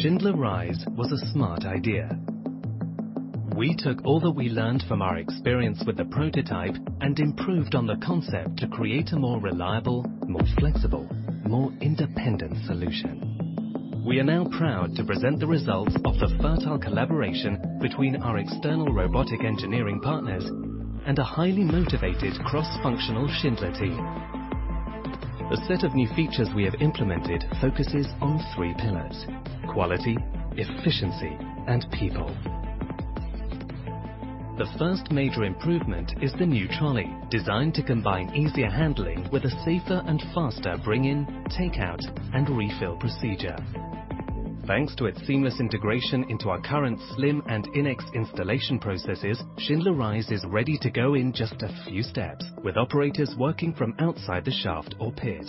Schindler RISE was a smart idea. We took all that we learned from our experience with the prototype and improved on the concept to create a more reliable, more flexible, more independent solution. We are now proud to present the results of the fertile collaboration between our external robotic engineering partners and a highly motivated cross-functional Schindler team. The set of new features we have implemented focuses on three pillars: quality, efficiency, and people. The first major improvement is the new trolley, designed to combine easier handling with a safer and faster bring-in, take-out, and refill procedure. Thanks to its seamless integration into our current SLIM and INEX installation processes, Schindler RISE is ready to go in just a few steps, with operators working from outside the shaft or pit.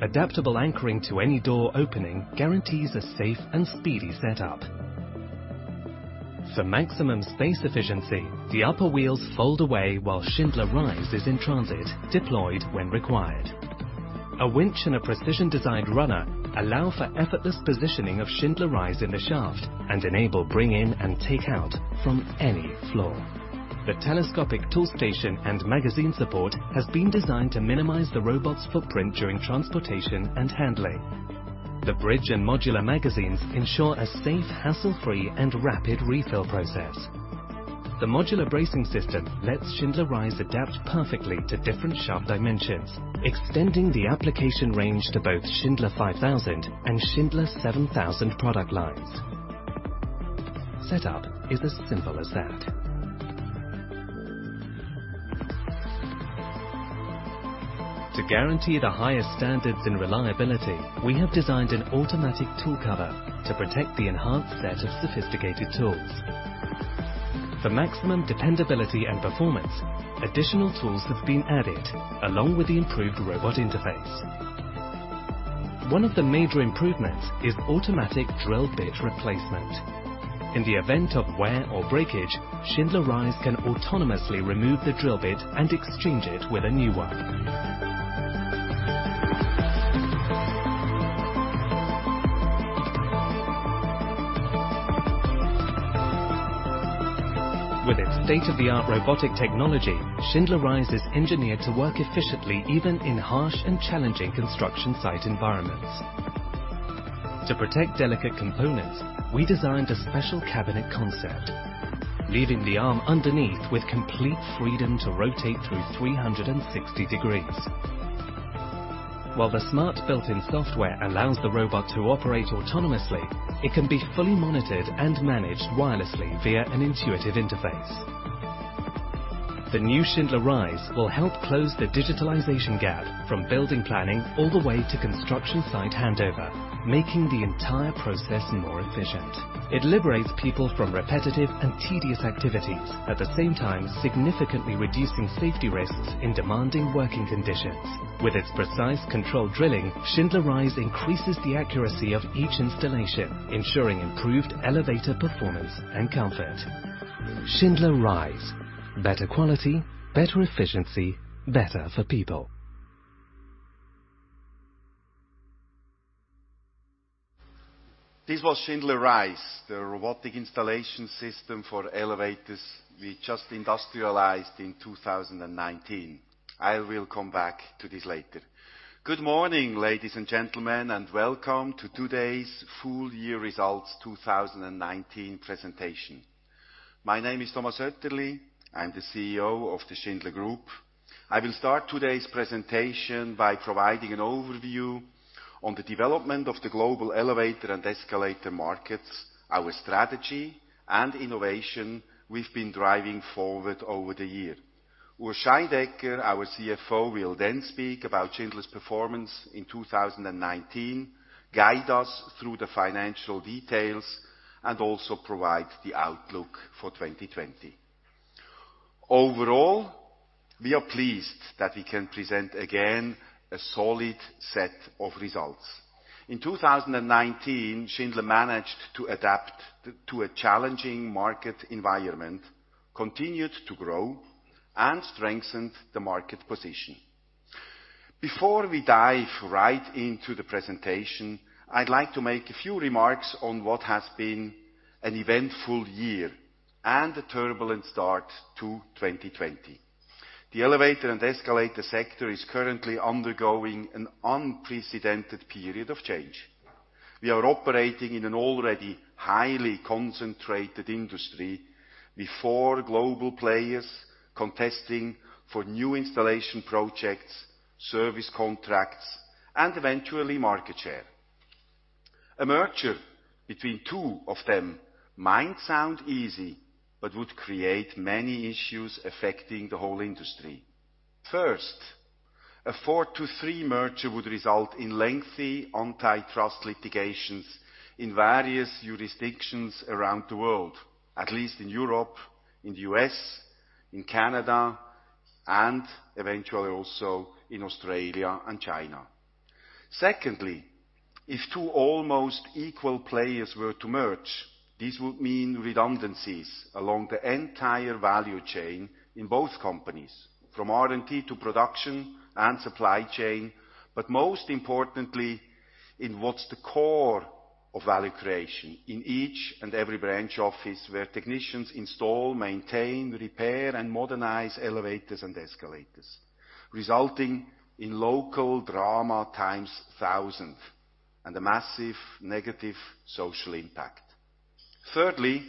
Adaptable anchoring to any door opening guarantees a safe and speedy setup. For maximum space efficiency, the upper wheels fold away while Schindler RISE is in transit, deployed when required. A winch and a precision-designed runner allow for effortless positioning of Schindler RISE in the shaft and enable bring-in and take-out from any floor. The telescopic tool station and magazine support has been designed to minimize the robot's footprint during transportation and handling. The bridge and modular magazines ensure a safe, hassle-free, and rapid refill process. The modular bracing system lets Schindler RISE adapt perfectly to different shaft dimensions, extending the application range to both Schindler 5000 and Schindler 7000 product lines. Setup is as simple as that. To guarantee the highest standards in reliability, we have designed an automatic tool cover to protect the enhanced set of sophisticated tools. For maximum dependability and performance, additional tools have been added along with the improved robot interface. One of the major improvements is automatic drill bit replacement. In the event of wear or breakage, Schindler RISE can autonomously remove the drill bit and exchange it with a new one. With its state-of-the-art robotic technology, Schindler RISE is engineered to work efficiently, even in harsh and challenging construction site environments. To protect delicate components, we designed a special cabinet concept, leaving the arm underneath with complete freedom to rotate through 360 degrees. While the smart built-in software allows the robot to operate autonomously, it can be fully monitored and managed wirelessly via an intuitive interface. The new Schindler RISE will help close the digitalization gap from building planning all the way to construction site handover, making the entire process more efficient. It liberates people from repetitive and tedious activities, at the same time significantly reducing safety risks in demanding working conditions. With its precise controlled drilling, Schindler RISE increases the accuracy of each installation, ensuring improved elevator performance and comfort. Schindler RISE, better quality, better efficiency, better for people. This was Schindler RISE, the robotic installation system for elevators we just industrialized in 2019. I will come back to this later. Good morning, ladies and gentlemen, and welcome to today's full year results 2019 presentation. My name is Thomas Oetterli. I'm the CEO of the Schindler Group. I will start today's presentation by providing an overview on the development of the global elevator and escalator markets, our strategy, and innovation we've been driving forward over the year. Urs Scheidegger, our CFO, will then speak about Schindler's performance in 2019, guide us through the financial details, and also provide the outlook for 2020. Overall, we are pleased that we can present again a solid set of results. In 2019, Schindler managed to adapt to a challenging market environment, continued to grow, and strengthened the market position. Before we dive right into the presentation, I'd like to make a few remarks on what has been an eventful year and a turbulent start to 2020. The elevator and escalator sector is currently undergoing an unprecedented period of change. We are operating in an already highly concentrated industry with four global players contesting for new installation projects, service contracts, and eventually, market share. A merger between two of them might sound easy but would create many issues affecting the whole industry. First, a four-to-three merger would result in lengthy antitrust litigations in various jurisdictions around the world, at least in Europe, in the U.S., in Canada, and eventually also in Australia and China. Secondly, if two almost equal players were to merge, this would mean redundancies along the entire value chain in both companies, from R&D to production and supply chain, but most importantly, in what's the core of value creation in each and every branch office where technicians install, maintain, repair, and modernize elevators and escalators, resulting in local drama times 1,000 and a massive negative social impact. Thirdly,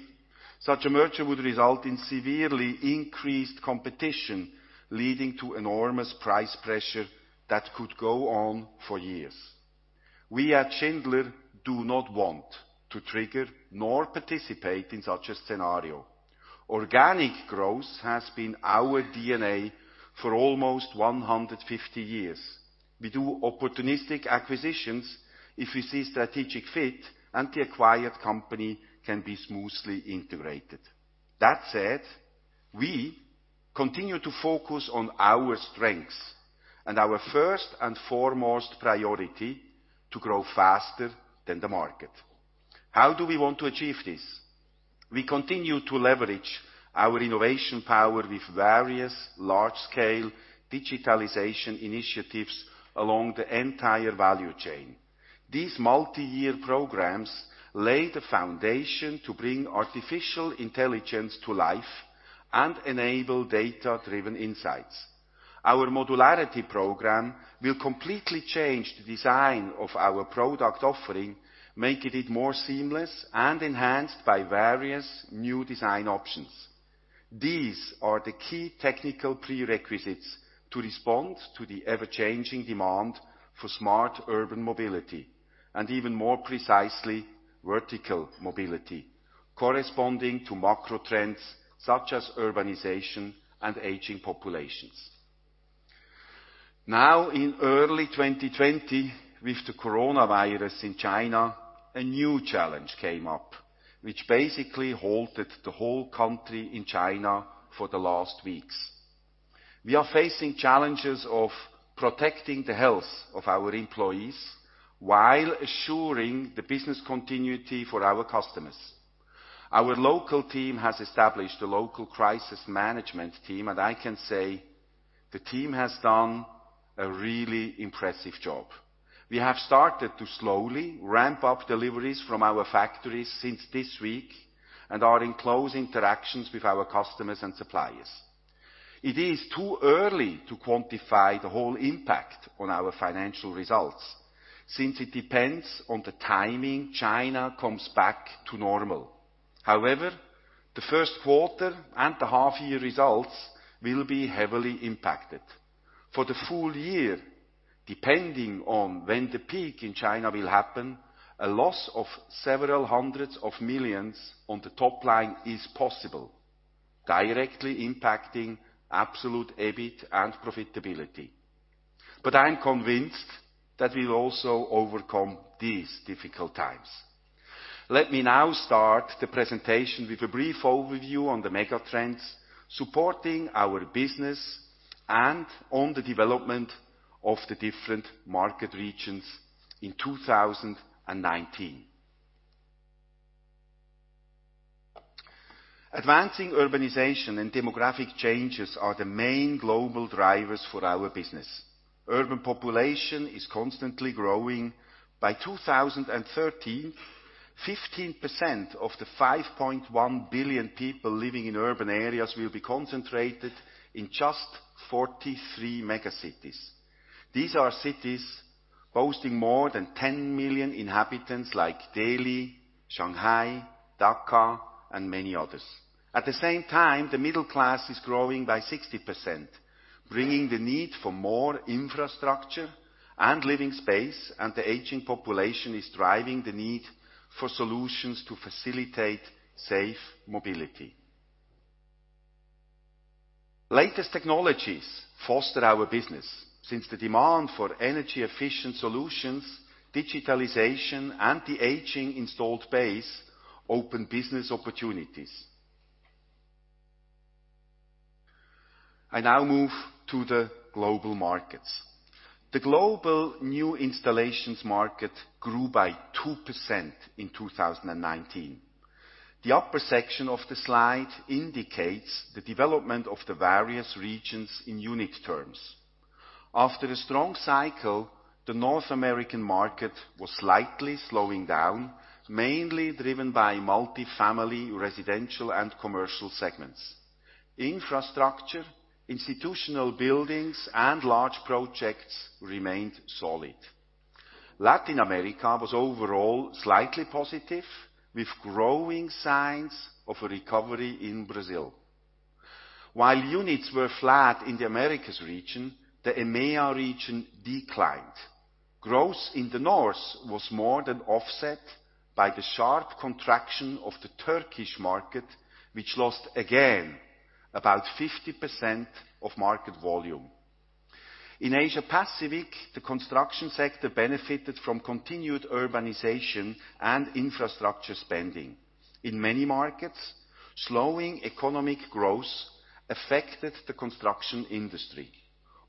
such a merger would result in severely increased competition, leading to enormous price pressure that could go on for years. We at Schindler do not want to trigger nor participate in such a scenario. Organic growth has been our DNA for almost 150 years. We do opportunistic acquisitions if we see strategic fit and the acquired company can be smoothly integrated. That said, we continue to focus on our strengths and our first and foremost priority, to grow faster than the market. How do we want to achieve this? We continue to leverage our innovation power with various large-scale digitalization initiatives along the entire value chain. These multi-year programs lay the foundation to bring artificial intelligence to life and enable data-driven insights. Our modularity program will completely change the design of our product offering, making it more seamless and enhanced by various new design options. These are the key technical prerequisites to respond to the ever-changing demand for smart urban mobility, and even more precisely, vertical mobility, corresponding to macro trends such as urbanization and aging populations. Now, in early 2020, with the coronavirus in China, a new challenge came up, which basically halted the whole country in China for the last weeks. We are facing challenges of protecting the health of our employees while assuring the business continuity for our customers. Our local team has established a local crisis management team, and I can say the team has done a really impressive job. We have started to slowly ramp up deliveries from our factories since this week and are in close interactions with our customers and suppliers. It is too early to quantify the whole impact on our financial results since it depends on the timing China comes back to normal. However, the first quarter and the half-year results will be heavily impacted. For the full year, depending on when the peak in China will happen, a loss of several hundreds of millions CHF on the top line is possible, directly impacting absolute EBIT and profitability. I'm convinced that we'll also overcome these difficult times. Let me now start the presentation with a brief overview on the mega trends supporting our business and on the development of the different market regions in 2019. Advancing urbanization and demographic changes are the main global drivers for our business. Urban population is constantly growing. By 2030, 15% of the 5.1 billion people living in urban areas will be concentrated in just 43 mega cities. These are cities boasting more than 10 million inhabitants, like Delhi, Shanghai, Dhaka, and many others. At the same time, the middle class is growing by 60%, bringing the need for more infrastructure and living space, and the aging population is driving the need for solutions to facilitate safe mobility. Latest technologies foster our business since the demand for energy-efficient solutions, digitalization, and the aging installed base open business opportunities. I now move to the global markets. The global new installations market grew by 2% in 2019. The upper section of the slide indicates the development of the various regions in unit terms. After a strong cycle, the North American market was slightly slowing down, mainly driven by multi-family, residential, and commercial segments. Infrastructure, institutional buildings, and large projects remained solid. Latin America was overall slightly positive, with growing signs of a recovery in Brazil. While units were flat in the Americas region, the EMEA region declined. Growth in the north was more than offset by the sharp contraction of the Turkish market, which lost again about 50% of market volume. In Asia Pacific, the construction sector benefited from continued urbanization and infrastructure spending. In many markets, slowing economic growth affected the construction industry.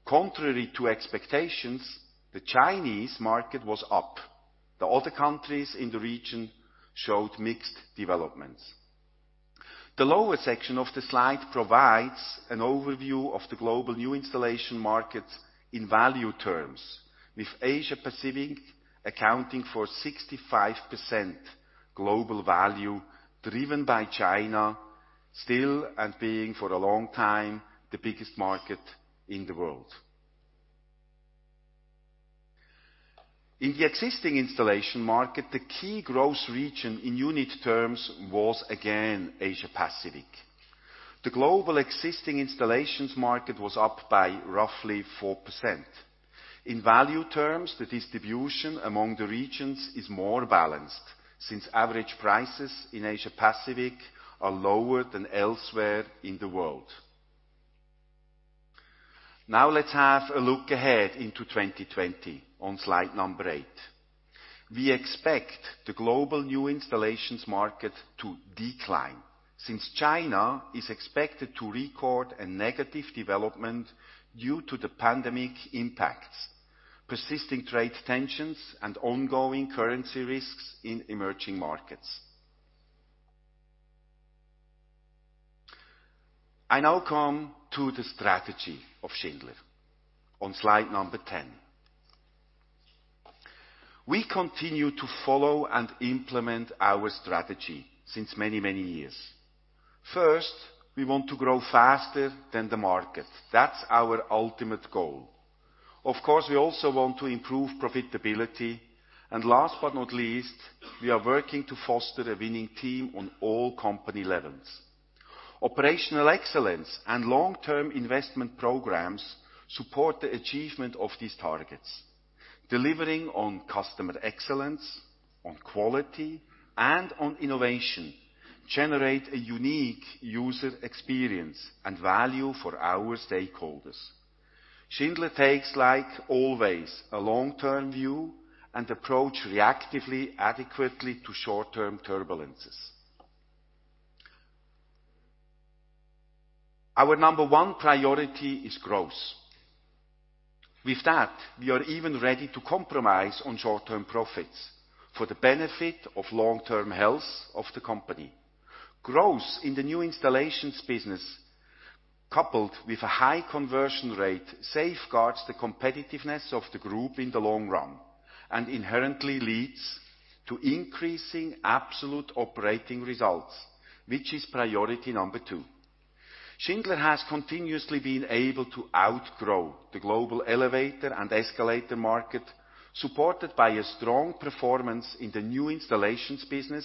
Contrary to expectations, the Chinese market was up. The other countries in the region showed mixed developments. The lower section of the slide provides an overview of the global new installation market in value terms, with Asia-Pacific accounting for 65% global value, driven by China, still and being for a long time, the biggest market in the world. In the existing installation market, the key growth region in unit terms was again Asia-Pacific. The global existing installations market was up by roughly 4%. In value terms, the distribution among the regions is more balanced, since average prices in Asia-Pacific are lower than elsewhere in the world. Now let's have a look ahead into 2020 on slide number 8. We expect the global new installations market to decline, since China is expected to record a negative development due to the pandemic impacts, persisting trade tensions, and ongoing currency risks in emerging markets. I now come to the strategy of Schindler, on slide number 10. We continue to follow and implement our strategy since many, many years. First, we want to grow faster than the market. That's our ultimate goal. Of course, we also want to improve profitability. Last but not least, we are working to foster a winning team on all company levels. Operational excellence and long-term investment programs support the achievement of these targets. Delivering on customer excellence, on quality, and on innovation, generate a unique user experience and value for our stakeholders. Schindler takes, like always, a long-term view and approach reactively, adequately to short-term turbulences. Our number one priority is growth. With that, we are even ready to compromise on short-term profits for the benefit of long-term health of the company. Growth in the new installations business, coupled with a high conversion rate, safeguards the competitiveness of the group in the long run and inherently leads to increasing absolute operating results, which is priority number two. Schindler has continuously been able to outgrow the global elevator and escalator market, supported by a strong performance in the new installations business,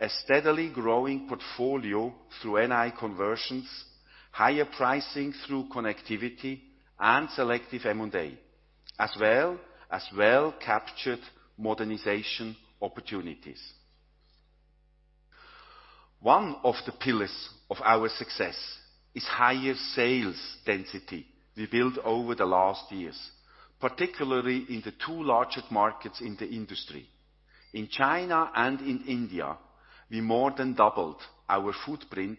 a steadily growing portfolio through NI conversions, higher pricing through connectivity and selective M&A, as well as well-captured modernization opportunities. One of the pillars of our success is higher sales density we built over the last years, particularly in the two largest markets in the industry. In China and in India, we more than doubled our footprint,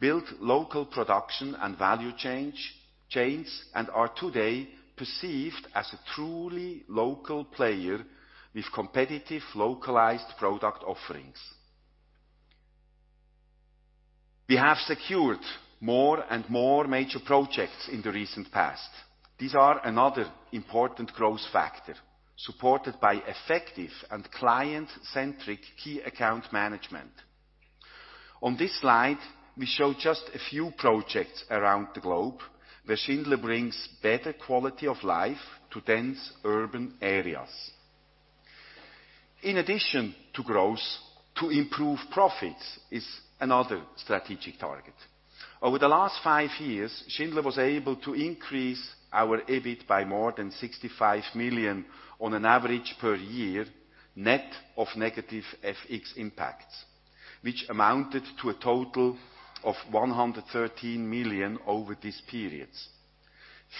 built local production and value chains, and are today perceived as a truly local player with competitive localized product offerings. We have secured more and more major projects in the recent past. These are another important growth factor, supported by effective and client-centric key account management. On this slide, we show just a few projects around the globe where Schindler brings better quality of life to dense urban areas. In addition to growth, to improve profits is another strategic target. Over the last five years, Schindler was able to increase our EBIT by more than 65 million on an average per year, net of negative FX impacts, which amounted to a total of 113 million over this period.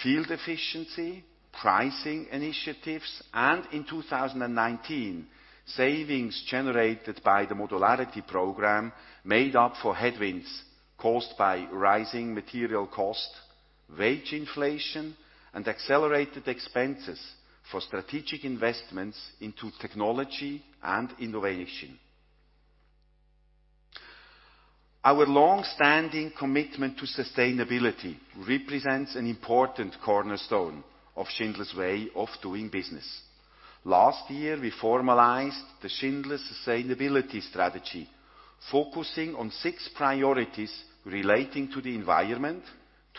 Field efficiency, pricing initiatives, and, in 2019, savings generated by the modularity program made up for headwinds caused by rising material cost, wage inflation, and accelerated expenses for strategic investments into technology and innovation. Our longstanding commitment to sustainability represents an important cornerstone of Schindler's way of doing business. Last year, we formalized the Schindler sustainability strategy, focusing on six priorities relating to the environment,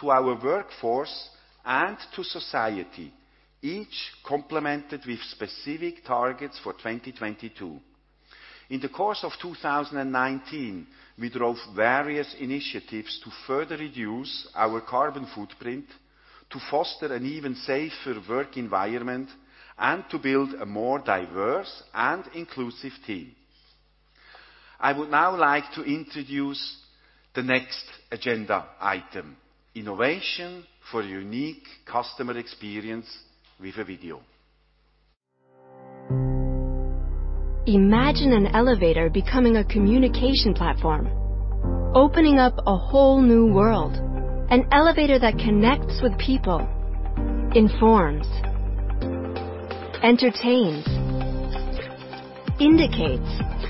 to our workforce, and to society, each complemented with specific targets for 2022. In the course of 2019, we drove various initiatives to further reduce our carbon footprint, to foster an even safer work environment, and to build a more diverse and inclusive team. I would now like to introduce the next agenda item, innovation for a unique customer experience with a video. Imagine an elevator becoming a communication platform, opening up a whole new world. An elevator that connects with people, informs, entertains, indicates.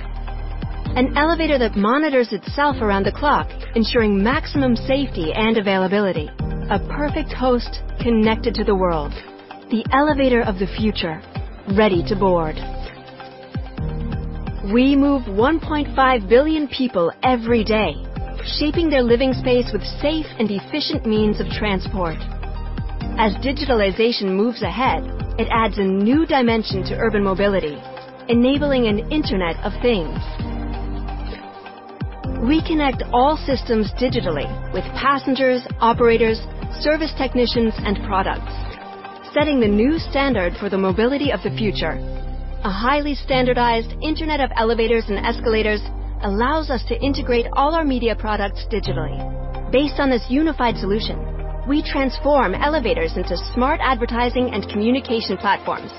An elevator that monitors itself around the clock, ensuring maximum safety and availability. A perfect host connected to the world. The elevator of the future, ready to board. We move 1.5 billion people every day, shaping their living space with safe and efficient means of transport. As digitalization moves ahead, it adds a new dimension to urban mobility, enabling an Internet of Things. We connect all systems digitally with passengers, operators, service technicians, and products, setting the new standard for the mobility of the future. A highly standardized internet of elevators and escalators allows us to integrate all our media products digitally. Based on this unified solution, we transform elevators into smart advertising and communication platforms,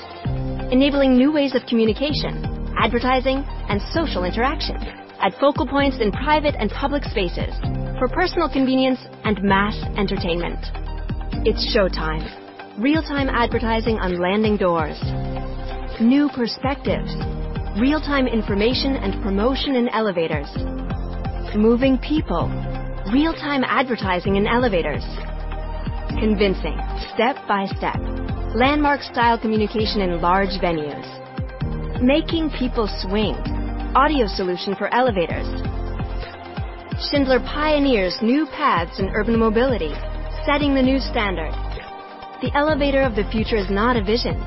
enabling new ways of communication, advertising, and social interaction at focal points in private and public spaces for personal convenience and mass entertainment. It's showtime. Real-time advertising on landing doors. New perspectives. Real-time information and promotion in elevators. Moving people. Real-time advertising in elevators. Convincing, step by step. Landmark-style communication in large venues. Making people swing. Audio solution for elevators. Schindler pioneers new paths in urban mobility, setting the new standard. The elevator of the future is not a vision.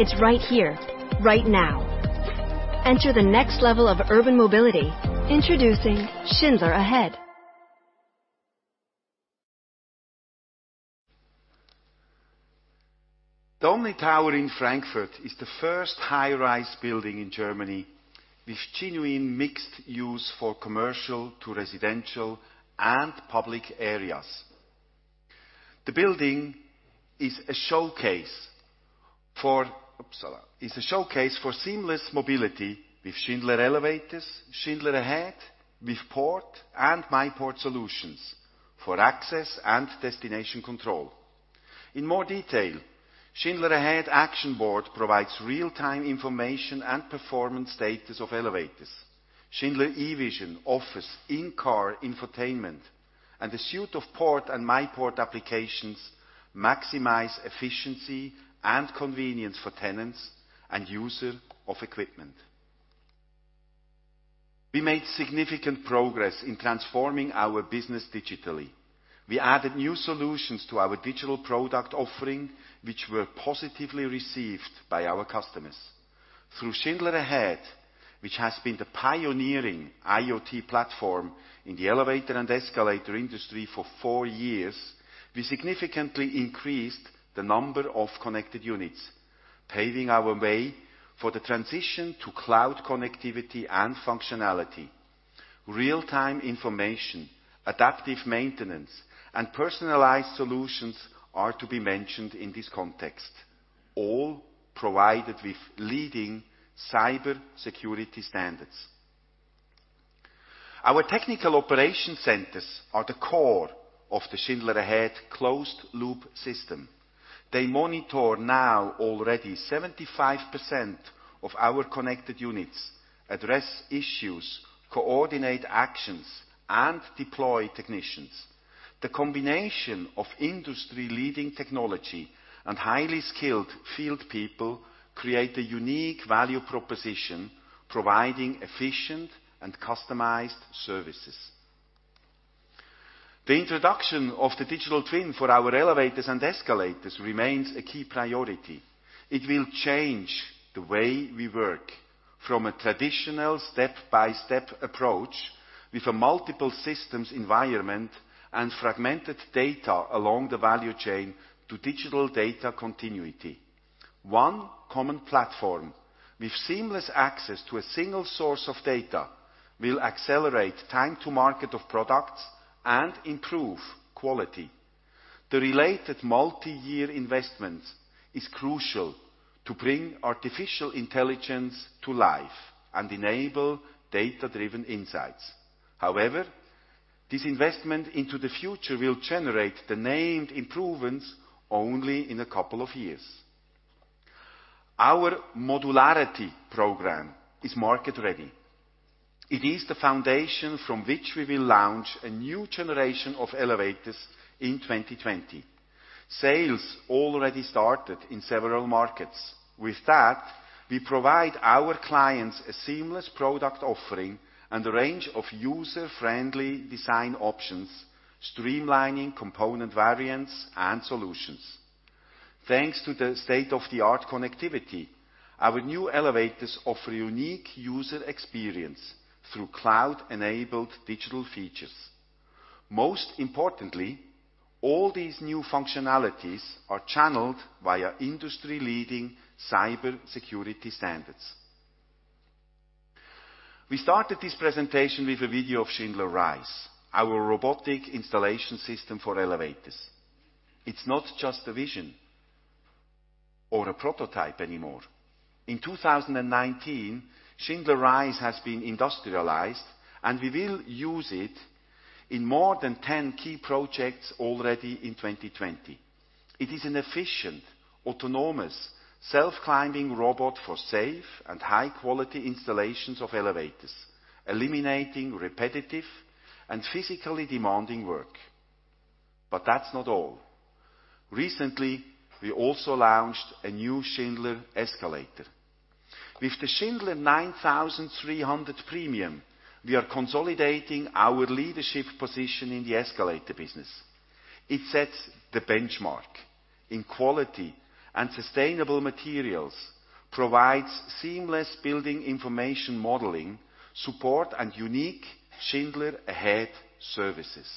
It's right here, right now. Enter the next level of urban mobility. Introducing Schindler Ahead. The ONE tower in Frankfurt is the first high-rise building in Germany with genuine mixed use for commercial to residential and public areas. The building is a showcase for seamless mobility with Schindler elevators, Schindler Ahead, with PORT and myPORT solutions for access and destination control. In more detail, Schindler Ahead ActionBoard provides real-time information and performance status of elevators. Schindler E-Vision offers in-car infotainment and a suite of PORT and myPORT applications maximize efficiency and convenience for tenants and user of equipment. We made significant progress in transforming our business digitally. We added new solutions to our digital product offering, which were positively received by our customers. Through Schindler Ahead, which has been the pioneering IoT platform in the elevator and escalator industry for four years, we significantly increased the number of connected units, paving our way for the transition to cloud connectivity and functionality. Real-time information, adaptive maintenance, and personalized solutions are to be mentioned in this context, all provided with leading cybersecurity standards. Our technical operation centers are the core of the Schindler Ahead closed-loop system. They monitor now already 75% of our connected units, address issues, coordinate actions, and deploy technicians. The combination of industry-leading technology and highly skilled field people create a unique value proposition, providing efficient and customized services. The introduction of the digital twin for our elevators and escalators remains a key priority. It will change the way we work from a traditional step-by-step approach with a multiple systems environment and fragmented data along the value chain to digital data continuity. One common platform with seamless access to a single source of data will accelerate time to market of products and improve quality. The related multi-year investment is crucial to bring artificial intelligence to life and enable data-driven insights. However, this investment into the future will generate the named improvements only in a couple of years. Our modularity program is market-ready. It is the foundation from which we will launch a new generation of elevators in 2020. Sales already started in several markets. With that, we provide our clients a seamless product offering and a range of user-friendly design options, streamlining component variants and solutions. Thanks to the state-of-the-art connectivity, our new elevators offer unique user experience through cloud-enabled digital features. Most importantly, all these new functionalities are channeled via industry-leading cybersecurity standards. We started this presentation with a video of Schindler RISE, our robotic installation system for elevators. It is not just a vision or a prototype anymore. In 2019, Schindler RISE has been industrialized, and we will use it in more than 10 key projects already in 2020. It is an efficient, autonomous, self-climbing robot for safe and high-quality installations of elevators, eliminating repetitive and physically demanding work. That's not all. Recently, we also launched a new Schindler escalator. With the Schindler 9300 Premium, we are consolidating our leadership position in the escalator business. It sets the benchmark in quality and sustainable materials, provides seamless Building Information Modeling support, and unique Schindler Ahead services.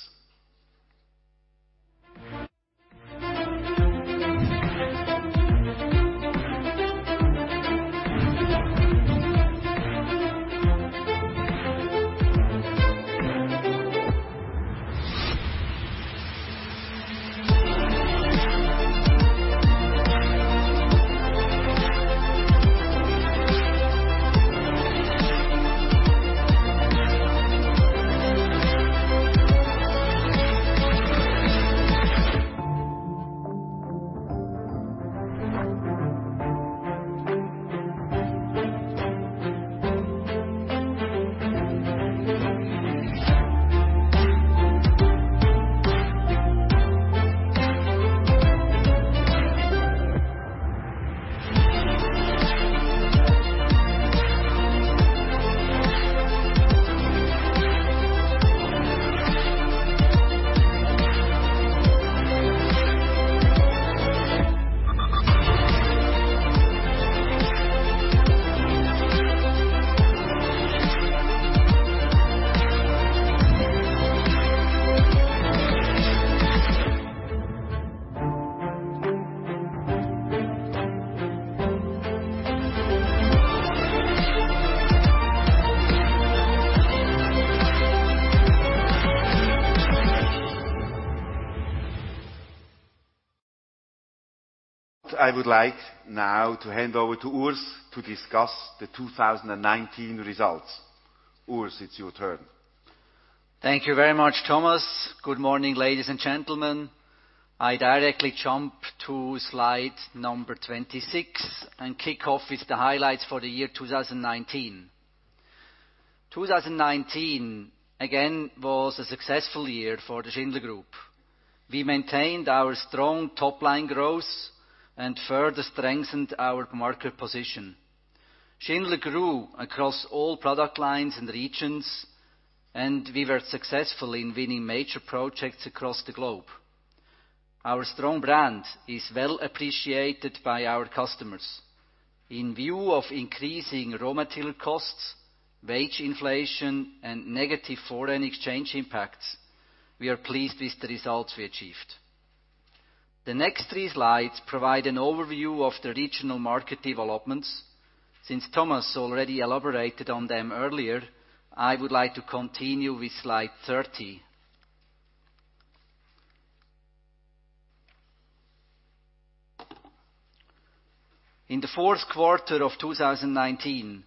I would like now to hand over to Urs to discuss the 2019 results. Urs, it's your turn. Thank you very much, Thomas. Good morning, ladies and gentlemen. I directly jump to slide number 26 and kick off with the highlights for the year 2019. 2019, again, was a successful year for the Schindler Group. We maintained our strong top-line growth and further strengthened our market position. Schindler grew across all product lines and regions, and we were successful in winning major projects across the globe. Our strong brand is well appreciated by our customers. In view of increasing raw material costs, wage inflation, and negative foreign exchange impacts, we are pleased with the results we achieved. The next three slides provide an overview of the regional market developments. Since Thomas already elaborated on them earlier, I would like to continue with slide 30. In the fourth quarter of 2019,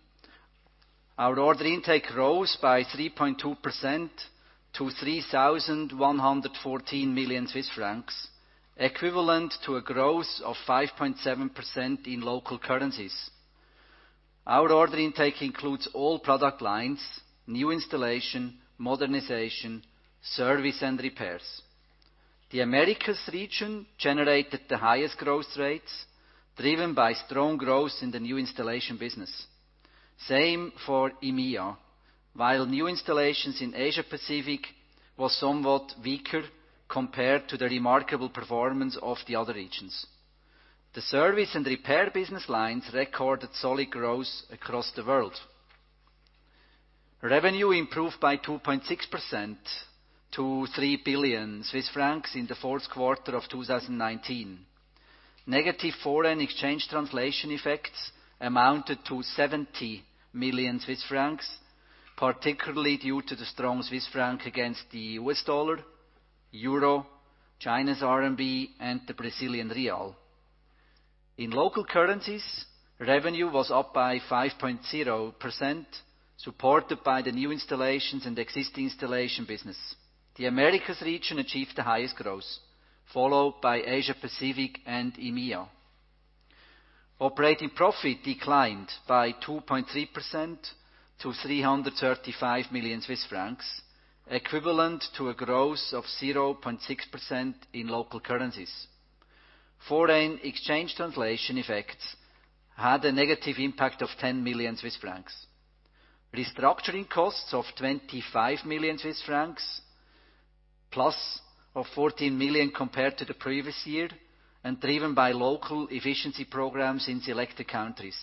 our order intake rose by 3.2% to 3,114 million Swiss francs, equivalent to a growth of 5.7% in local currencies. Our order intake includes all product lines, new installation, modernization, service, and repairs. The Americas region generated the highest growth rates, driven by strong growth in the new installation business. Same for EMEA. While new installations in Asia-Pacific was somewhat weaker compared to the remarkable performance of the other regions. The service and repair business lines recorded solid growth across the world. Revenue improved by 2.6% to 3 billion Swiss francs in the fourth quarter of 2019. Negative foreign exchange translation effects amounted to 70 million Swiss francs, particularly due to the strong Swiss franc against the USD, EUR, RMB, and the BRL. In local currencies, revenue was up by 5.0%, supported by the new installations and existing installation business. The Americas region achieved the highest growth, followed by Asia-Pacific and EMEA. Operating profit declined by 2.3% to 335 million Swiss francs, equivalent to a growth of 0.6% in local currencies. Foreign exchange translation effects had a negative impact of 10 million Swiss francs. Restructuring costs of 25 million Swiss francs, plus 14 million compared to the previous year, and driven by local efficiency programs in selected countries,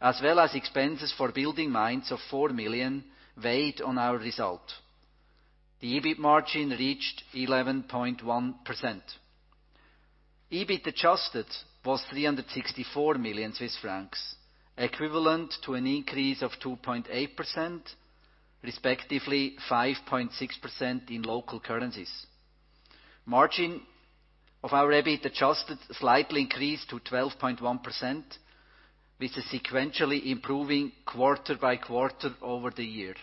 as well as expenses for BuildingMinds of 4 million weighed on our result. The EBIT margin reached 11.1%. EBIT adjusted was 364 million Swiss francs, equivalent to an increase of 2.8%, respectively 5.6% in local currencies. Margin of our EBIT adjusted slightly increased to 12.1%, which is sequentially improving quarter-by-quarter over the year.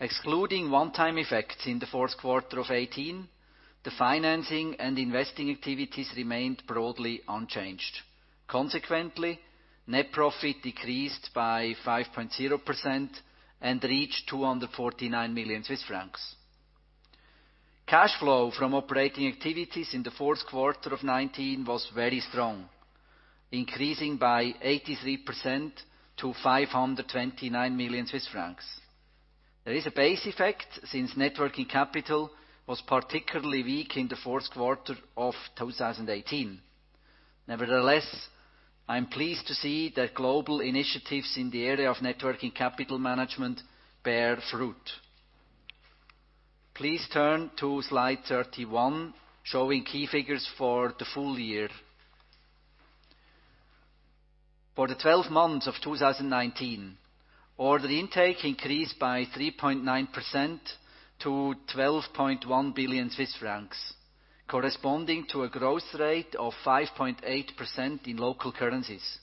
Excluding one-time effects in the fourth quarter of 2018, the financing and investing activities remained broadly unchanged. Consequently, net profit decreased by 5.0% and reached 249 million Swiss francs. Cash flow from operating activities in the fourth quarter of 2019 was very strong, increasing by 83% to 529 million Swiss francs. There is a base effect since net working capital was particularly weak in the fourth quarter of 2018. Nevertheless, I'm pleased to see that global initiatives in the area of net working capital management bear fruit. Please turn to slide 31, showing key figures for the full year. For the 12 months of 2019, order intake increased by 3.9% to 12.1 billion Swiss francs, corresponding to a growth rate of 5.8% in local currencies.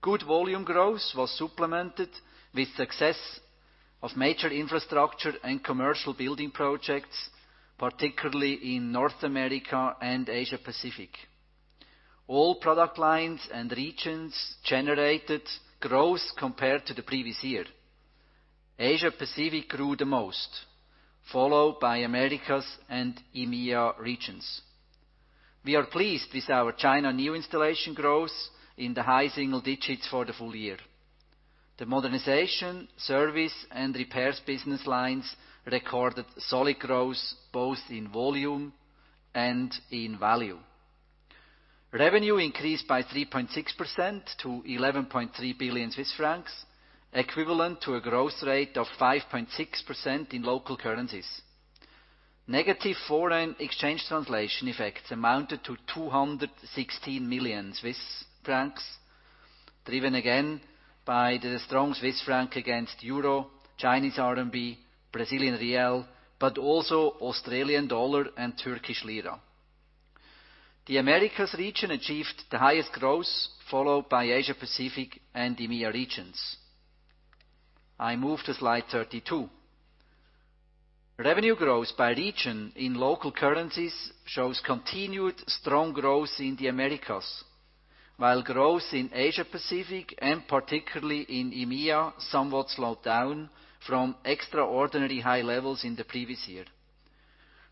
Good volume growth was supplemented with success of major infrastructure and commercial building projects, particularly in North America and Asia Pacific. All product lines and regions generated growth compared to the previous year. Asia Pacific grew the most, followed by Americas and EMEA regions. We are pleased with our China new installation growth in the high single digits for the full year. The modernization, service, and repairs business lines recorded solid growth both in volume and in value. Revenue increased by 3.6% to 11.3 billion Swiss francs, equivalent to a growth rate of 5.6% in local currencies. Negative foreign exchange translation effects amounted to 216 million Swiss francs, driven again by the strong Swiss franc against EUR, RMB, BRL, but also AUD and TRY. The Americas region achieved the highest growth, followed by Asia Pacific and EMEA regions. I move to slide 32. Revenue growth by region in local currencies shows continued strong growth in the Americas, while growth in Asia Pacific and particularly in EMEA somewhat slowed down from extraordinary high levels in the previous year.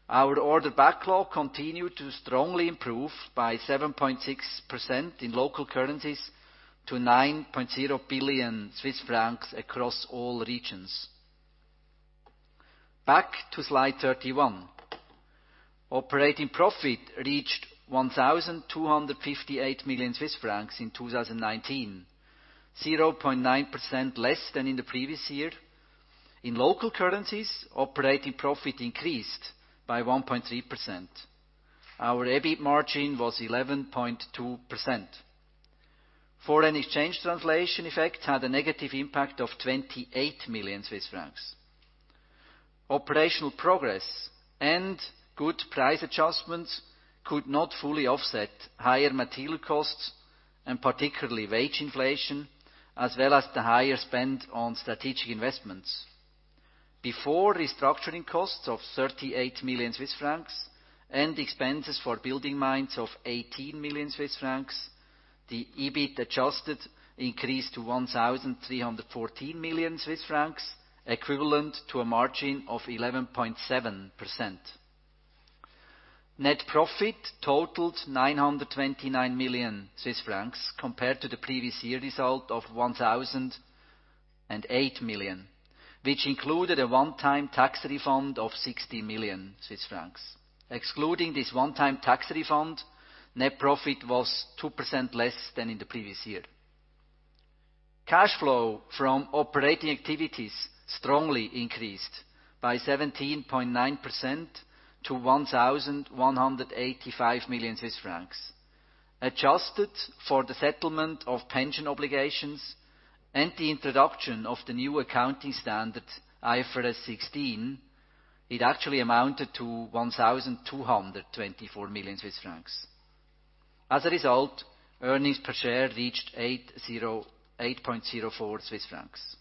Our order backlog continued to strongly improve by 7.6% in local currencies to 9.0 billion Swiss francs across all regions. Back to slide 31. Operating profit reached 1,258 million Swiss francs in 2019, 0.9% less than in the previous year. In local currencies, operating profit increased by 1.3%. Our EBIT margin was 11.2%. Foreign exchange translation effect had a negative impact of 28 million Swiss francs. Operational progress and good price adjustments could not fully offset higher material costs and particularly wage inflation, as well as the higher spend on strategic investments. Before restructuring costs of 38 million Swiss francs and expenses for BuildingMinds of 18 million Swiss francs, the EBIT adjusted increased to 1,314 million Swiss francs, equivalent to a margin of 11.7%. Net profit totaled 929 million Swiss francs compared to the previous year result of 1,008 million, which included a one-time tax refund of 60 million Swiss francs. Excluding this one-time tax refund, net profit was 2% less than in the previous year. Cash flow from operating activities strongly increased by 17.9% to 1,185 million Swiss francs. Adjusted for the settlement of pension obligations and the introduction of the new accounting standard IFRS 16, it actually amounted to 1,224 million Swiss francs. As a result, earnings per share reached 8.04 Swiss francs.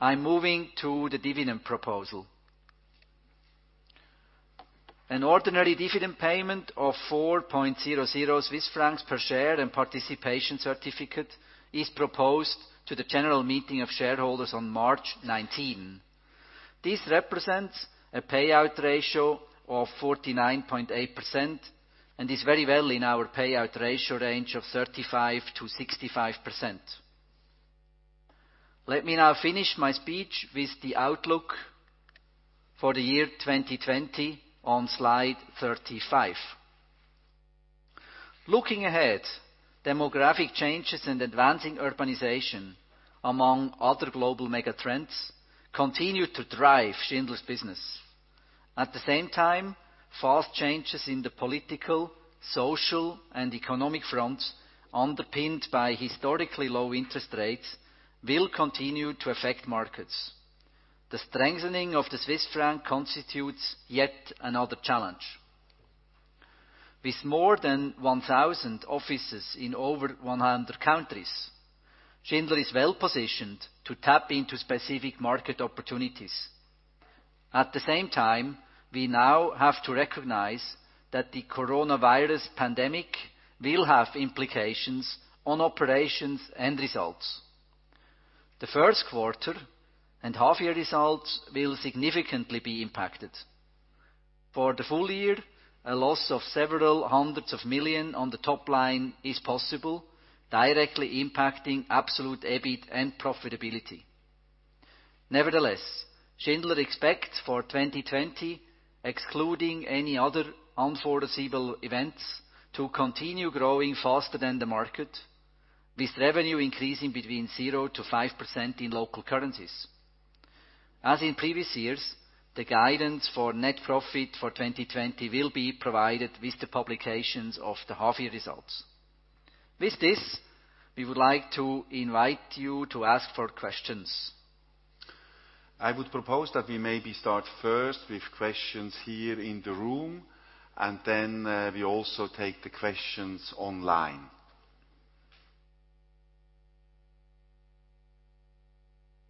I'm moving to the dividend proposal. An ordinary dividend payment of 4.00 Swiss francs per share and participation certificate is proposed to the general meeting of shareholders on March 19. This represents a payout ratio of 49.8% and is very well in our payout ratio range of 35%-65%. Let me now finish my speech with the outlook for the year 2020 on slide 35. Looking ahead, demographic changes and advancing urbanization, among other global mega trends, continue to drive Schindler's business. At the same time, fast changes in the political, social, and economic fronts, underpinned by historically low interest rates, will continue to affect markets. The strengthening of the Swiss franc constitutes yet another challenge. With more than 1,000 offices in over 100 countries, Schindler is well-positioned to tap into specific market opportunities. At the same time, we now have to recognize that the coronavirus pandemic will have implications on operations and results. The first quarter and half-year results will significantly be impacted. For the full year, a loss of several hundreds of million on the top line is possible, directly impacting absolute EBIT and profitability. Nevertheless, Schindler expects, for 2020, excluding any other unforeseeable events, to continue growing faster than the market, with revenue increasing between 0%-5% in local currencies. As in previous years, the guidance for net profit for 2020 will be provided with the publications of the half-year results. With this, we would like to invite you to ask for questions. I would propose that we maybe start first with questions here in the room, and then we also take the questions online.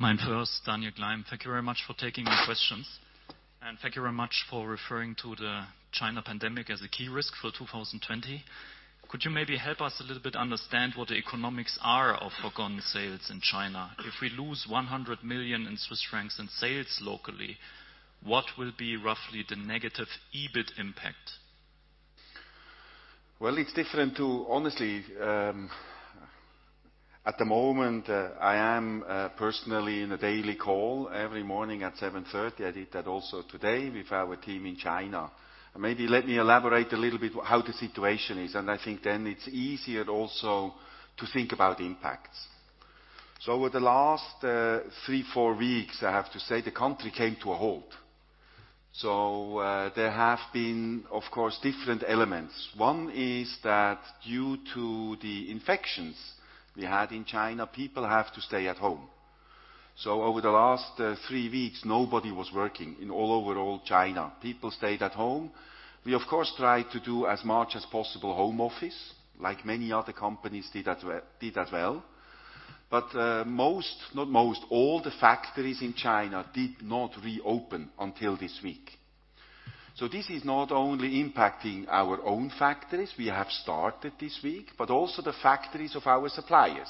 MainFirst. Daniel Gleim. Thank you very much for taking the questions, and thank you very much for referring to the China pandemic as a key risk for 2020. Could you maybe help us a little bit understand what the economics are of foregone sales in China? If we lose 100 million in sales locally, what will be roughly the negative EBIT impact? Well, it is different to Honestly, at the moment, I am personally in a daily call every morning at 7:30 A.M., I did that also today, with our team in China. Let me elaborate a little bit how the situation is, and I think then it is easier also to think about impacts. Over the last three, four weeks, I have to say, the country came to a halt. There have been, of course, different elements. One is that due to the infections we had in China, people have to stay at home. Over the last three weeks, nobody was working in all over China. People stayed at home. We of course, tried to do as much as possible home office, like many other companies did as well. All the factories in China did not reopen until this week. This is not only impacting our own factories, we have started this week, but also the factories of our suppliers.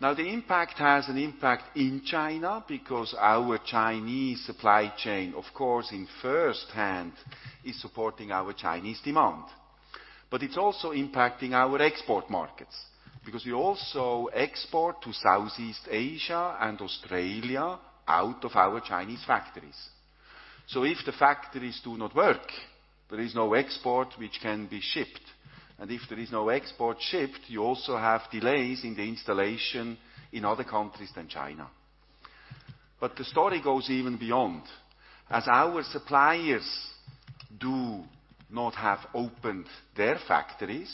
The impact has an impact in China because our Chinese supply chain, of course, in firsthand, is supporting our Chinese demand. It's also impacting our export markets, because we also export to Southeast Asia and Australia out of our Chinese factories. If the factories do not work, there is no export which can be shipped. If there is no export shipped, you also have delays in the installation in other countries than China. The story goes even beyond. As our suppliers do not have opened their factories,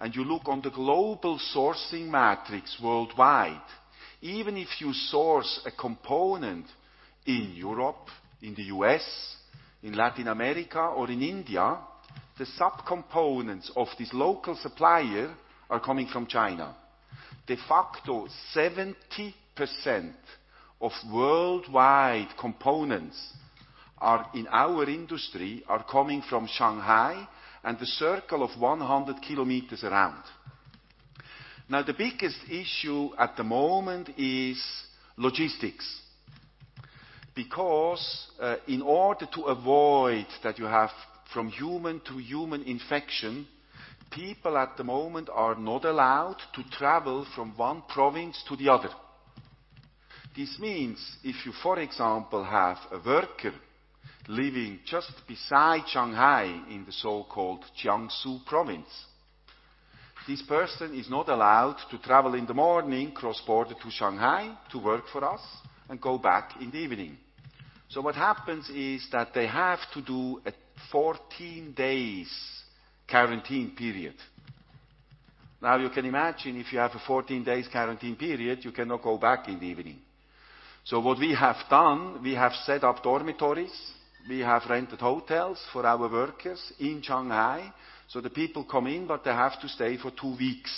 and you look on the global sourcing matrix worldwide, even if you source a component in Europe, in the U.S., in Latin America, or in India, the sub-components of this local supplier are coming from China. De facto, 70% of worldwide components in our industry are coming from Shanghai and the circle of 100 kilometers around. The biggest issue at the moment is logistics. In order to avoid that you have from human-to-human infection, people at the moment are not allowed to travel from one province to the other. This means if you, for example, have a worker living just beside Shanghai in the so-called Jiangsu Province, this person is not allowed to travel in the morning, cross border to Shanghai to work for us, and go back in the evening. What happens is that they have to do a 14 days quarantine period. You can imagine, if you have a 14 days quarantine period, you cannot go back in the evening. What we have done, we have set up dormitories, we have rented hotels for our workers in Shanghai. The people come in, but they have to stay for two weeks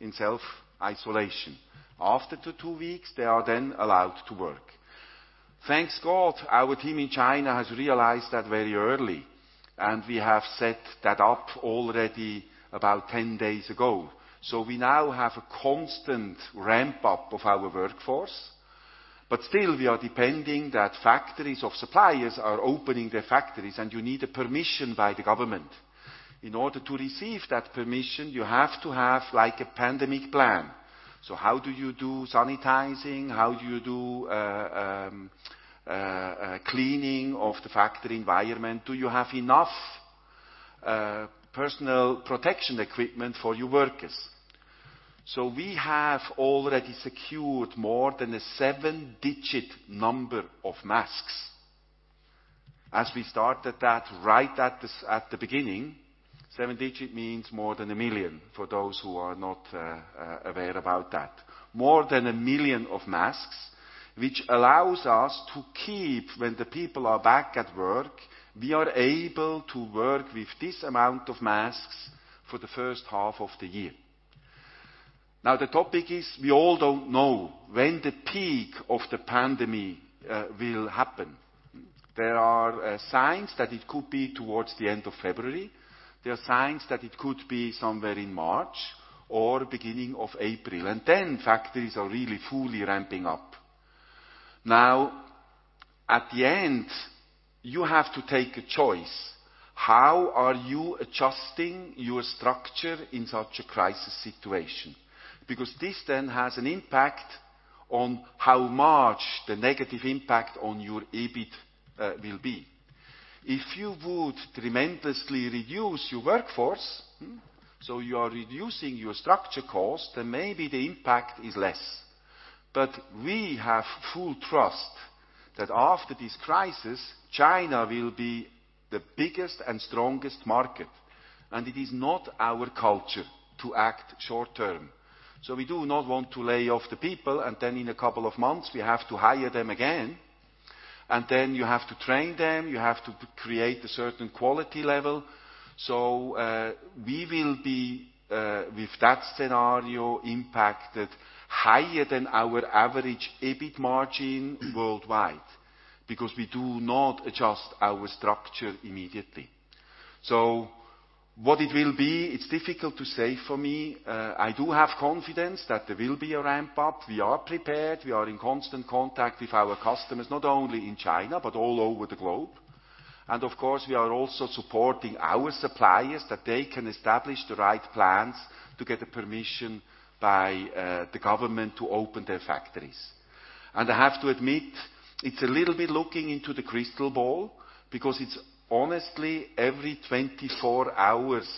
in self-isolation. After the two weeks, they are then allowed to work. Thank God, our team in China has realized that very early, and we have set that up already about 10 days ago. We now have a constant ramp-up of our workforce, but still, we are depending that factories of suppliers are opening their factories, and you need a permission by the government. In order to receive that permission, you have to have like a pandemic plan. How do you do sanitizing? How do you do cleaning of the factory environment? Do you have enough personal protection equipment for your workers? We have already secured more than a seven-digit number of masks, as we started that right at the beginning. Seven-digit means more than 1 million, for those who are not aware about that. More than 1 million of masks, which allows us to keep, when the people are back at work, we are able to work with this amount of masks for the first half of the year. Now the topic is, we all don't know when the peak of the pandemic will happen. There are signs that it could be towards the end of February. There are signs that it could be somewhere in March or beginning of April. Factories are really fully ramping up. Now, at the end, you have to take a choice. How are you adjusting your structure in such a crisis situation? Because this then has an impact on how much the negative impact on your EBIT will be. If you would tremendously reduce your workforce, so you are reducing your structure cost, then maybe the impact is less. We have full trust that after this crisis, China will be the biggest and strongest market, and it is not our culture to act short-term. We do not want to lay off the people, and then in a couple of months, we have to hire them again. Then you have to train them, you have to create a certain quality level. We will be, with that scenario, impacted higher than our average EBIT margin worldwide, because we do not adjust our structure immediately. What it will be, it's difficult to say for me. I do have confidence that there will be a ramp-up. We are prepared. We are in constant contact with our customers, not only in China, but all over the globe. Of course, we are also supporting our suppliers, that they can establish the right plans to get a permission by the government to open their factories. I have to admit, it's a little bit looking into the crystal ball, because it's honestly every 24 hours,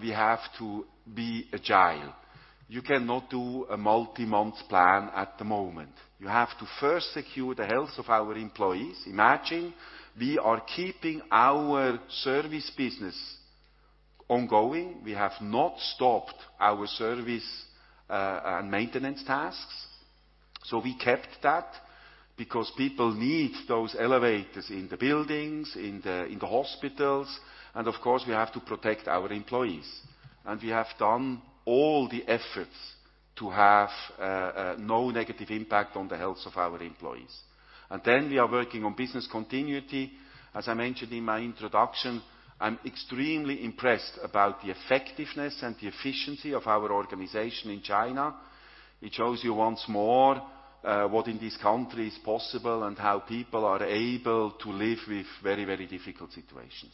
we have to be agile. You cannot do a multi-month plan at the moment. You have to first secure the health of our employees. Imagine we are keeping our service business ongoing. We have not stopped our service and maintenance tasks. We kept that, because people need those elevators in the buildings, in the hospitals, and of course, we have to protect our employees. We have done all the efforts to have no negative impact on the health of our employees. Then we are working on business continuity. As I mentioned in my introduction, I'm extremely impressed about the effectiveness and the efficiency of our organization in China. It shows you once more, what in this country is possible and how people are able to live with very difficult situations.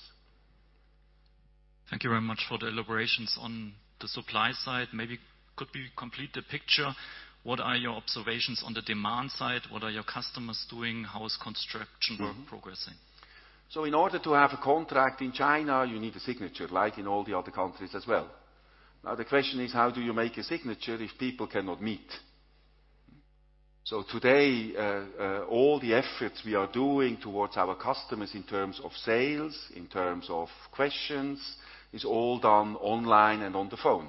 Thank you very much for the elaborations on the supply side. Maybe could we complete the picture? What are your observations on the demand side? What are your customers doing? How is construction work progressing? In order to have a contract in China, you need a signature, like in all the other countries as well. Now, the question is, how do you make a signature if people cannot meet? Today, all the efforts we are doing towards our customers in terms of sales, in terms of questions, is all done online and on the phone.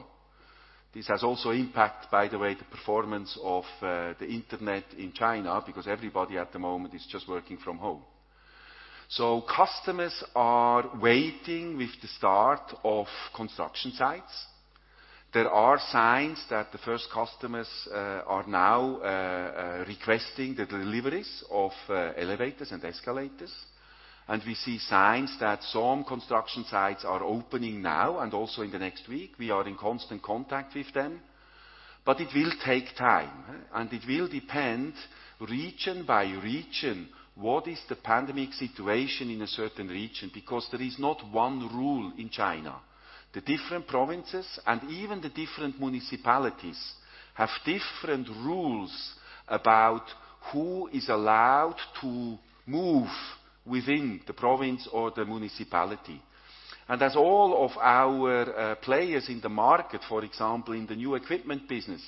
This has also impact, by the way, the performance of the internet in China, because everybody at the moment is just working from home. Customers are waiting with the start of construction sites. There are signs that the first customers are now requesting the deliveries of elevators and escalators. We see signs that some construction sites are opening now and also in the next week. We are in constant contact with them. It will take time, and it will depend region by region, what is the pandemic situation in a certain region, because there is not one rule in China. The different provinces and even the different municipalities have different rules about who is allowed to move within the province or the municipality. As all of our players in the market, for example, in the new equipment business,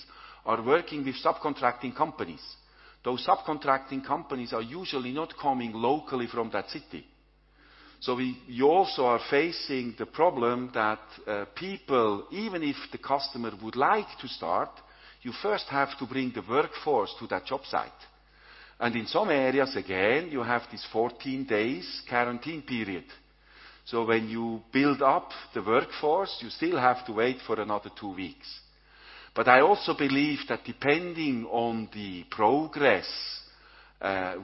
are working with subcontracting companies. Those subcontracting companies are usually not coming locally from that city. You also are facing the problem that people, even if the customer would like to start, you first have to bring the workforce to that job site. In some areas, again, you have this 14 days quarantine period. When you build up the workforce, you still have to wait for another two weeks. I also believe that depending on the progress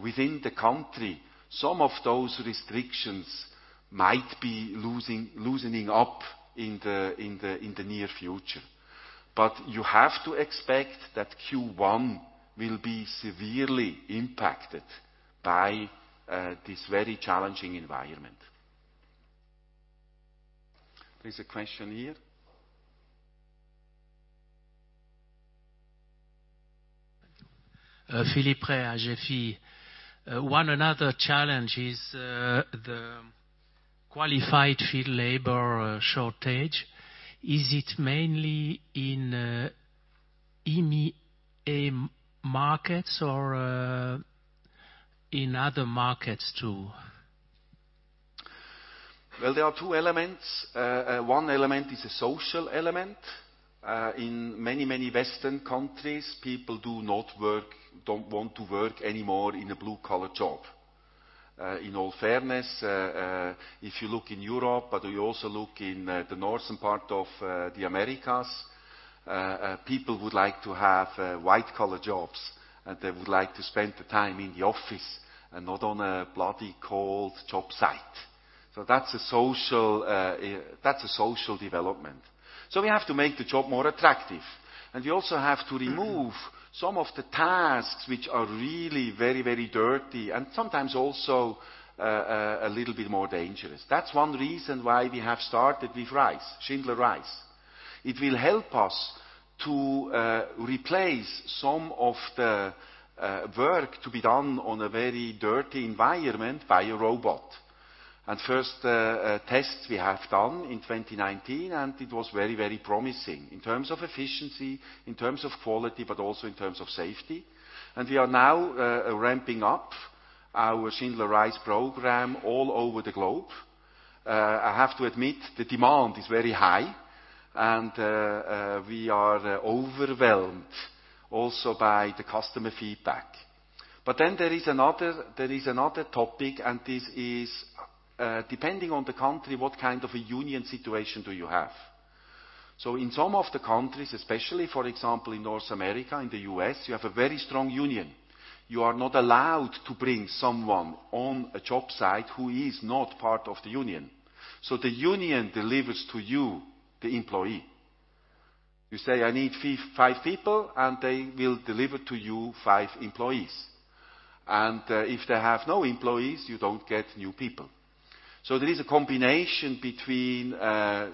within the country, some of those restrictions might be loosening up in the near future. You have to expect that Q1 will be severely impacted by this very challenging environment. There's a question here. One other challenge is the qualified field labor shortage. Is it mainly in EMEA markets or in other markets too? There are two elements. One element is a social element. In many, many Western countries, people do not want to work anymore in a blue-collar job. In all fairness, if you look in Europe, but you also look in the northern part of the Americas, people would like to have white-collar jobs, and they would like to spend the time in the office and not on a bloody cold job site. That's a social development. We have to make the job more attractive, and we also have to remove some of the tasks which are really very dirty and sometimes also a little bit more dangerous. That's one reason why we have started with Schindler RISE. It will help us to replace some of the work to be done on a very dirty environment by a robot. First tests we have done in 2019, and it was very promising in terms of efficiency, in terms of quality, but also in terms of safety. We are now ramping up our Schindler RISE program all over the globe. I have to admit, the demand is very high and we are overwhelmed also by the customer feedback. There is another topic, and this is, depending on the country, what kind of a union situation do you have? In some of the countries, especially, for example, in North America, in the U.S., you have a very strong union. You are not allowed to bring someone on a job site who is not part of the union. The union delivers to you the employee. You say, "I need five people," and they will deliver to you five employees. If they have no employees, you don't get new people. There is a combination between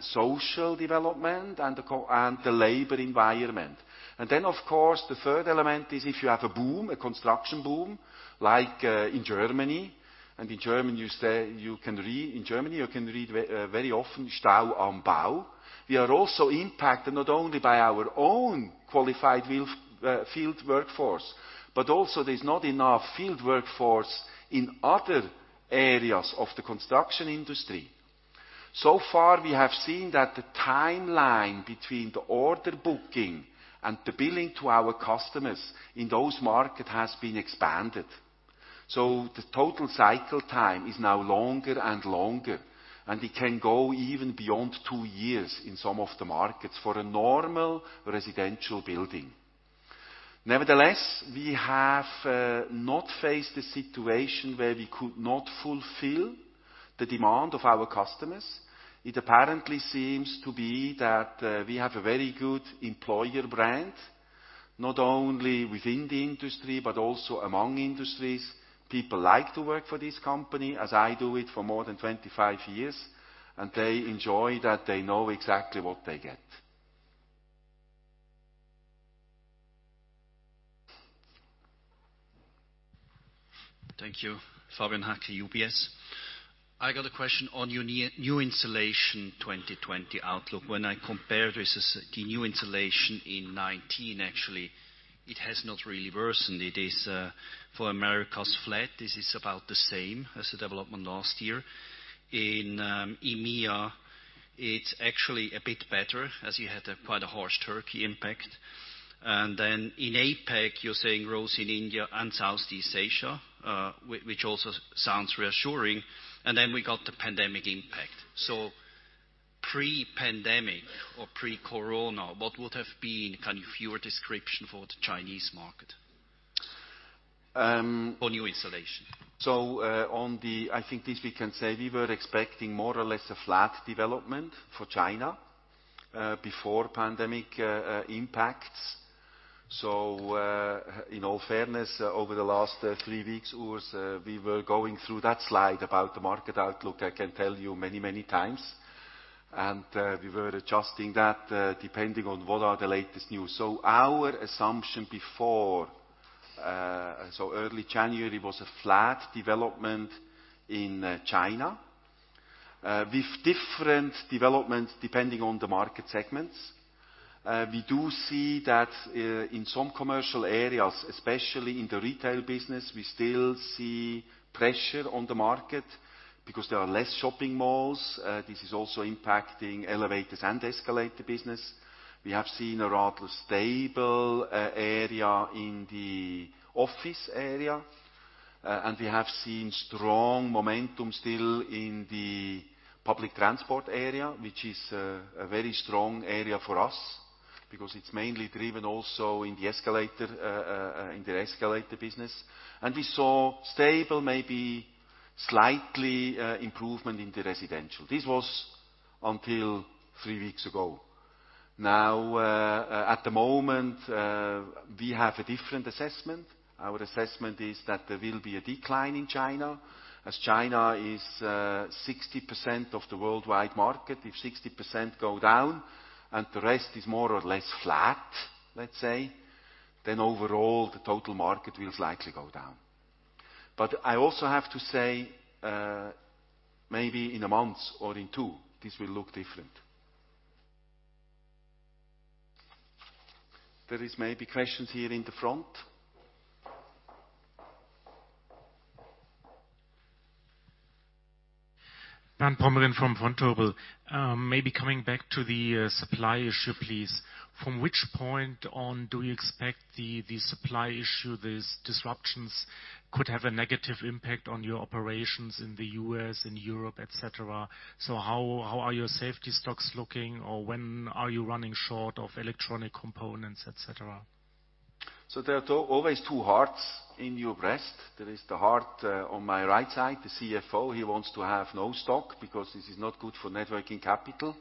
social development and the labor environment. Of course, the third element is if you have a boom, a construction boom, like in Germany. In Germany, you can read very often Stau am Bau. We are also impacted not only by our own qualified field workforce, but also there's not enough field workforce in other areas of the construction industry. Far, we have seen that the timeline between the order booking and the billing to our customers in those markets has been expanded. The total cycle time is now longer and longer, and it can go even beyond two years in some of the markets for a normal residential building. Nevertheless, we have not faced a situation where we could not fulfill the demand of our customers. It apparently seems to be that we have a very good employer brand, not only within the industry but also among industries. People like to work for this company, as I do it for more than 25 years, and they enjoy that they know exactly what they get. Thank you. Fabian Haecki, UBS. I got a question on your new installation 2020 outlook. When I compare the new installation in 2019, actually, it has not really worsened. It is for Americas flat. This is about the same as the development last year. In EMEA, it's actually a bit better as you had quite a harsh Turkey impact. In APAC, you're saying growth in India and Southeast Asia, which also sounds reassuring. We got the pandemic impact. Pre-pandemic or pre-corona, what would have been your description for the Chinese market? For new installation. I think this we can say, we were expecting more or less a flat development for China before pandemic impacts. In all fairness, over the last three weeks, Urs, we were going through that slide about the market outlook, I can tell you many, many times. We were adjusting that depending on what are the latest news. Our assumption before, so early January, was a flat development in China with different developments depending on the market segments. We do see that in some commercial areas, especially in the retail business, we still see pressure on the market because there are less shopping malls. This is also impacting elevators and escalator business. We have seen a rather stable area in the office area. We have seen strong momentum still in the public transport area, which is a very strong area for us because it's mainly driven also in the escalator business. We saw stable, maybe slightly improvement in the residential. This was until three weeks ago. Now, at the moment, we have a different assessment. Our assessment is that there will be a decline in China as China is 60% of the worldwide market. If 60% go down and the rest is more or less flat, let's say, then overall, the total market will slightly go down. I also have to say, maybe in a month or in two, this will look different. There is maybe questions here in the front. Bernd Pomrehn from Vontobel. Maybe coming back to the supply issue, please. From which point on do you expect the supply issue, these disruptions could have a negative impact on your operations in the U.S., in Europe, et cetera? How are your safety stocks looking, or when are you running short of electronic components, et cetera? There are always two hearts in your breast. There is the heart on my right side, the CFO, he wants to have no stock because this is not good for net working capital.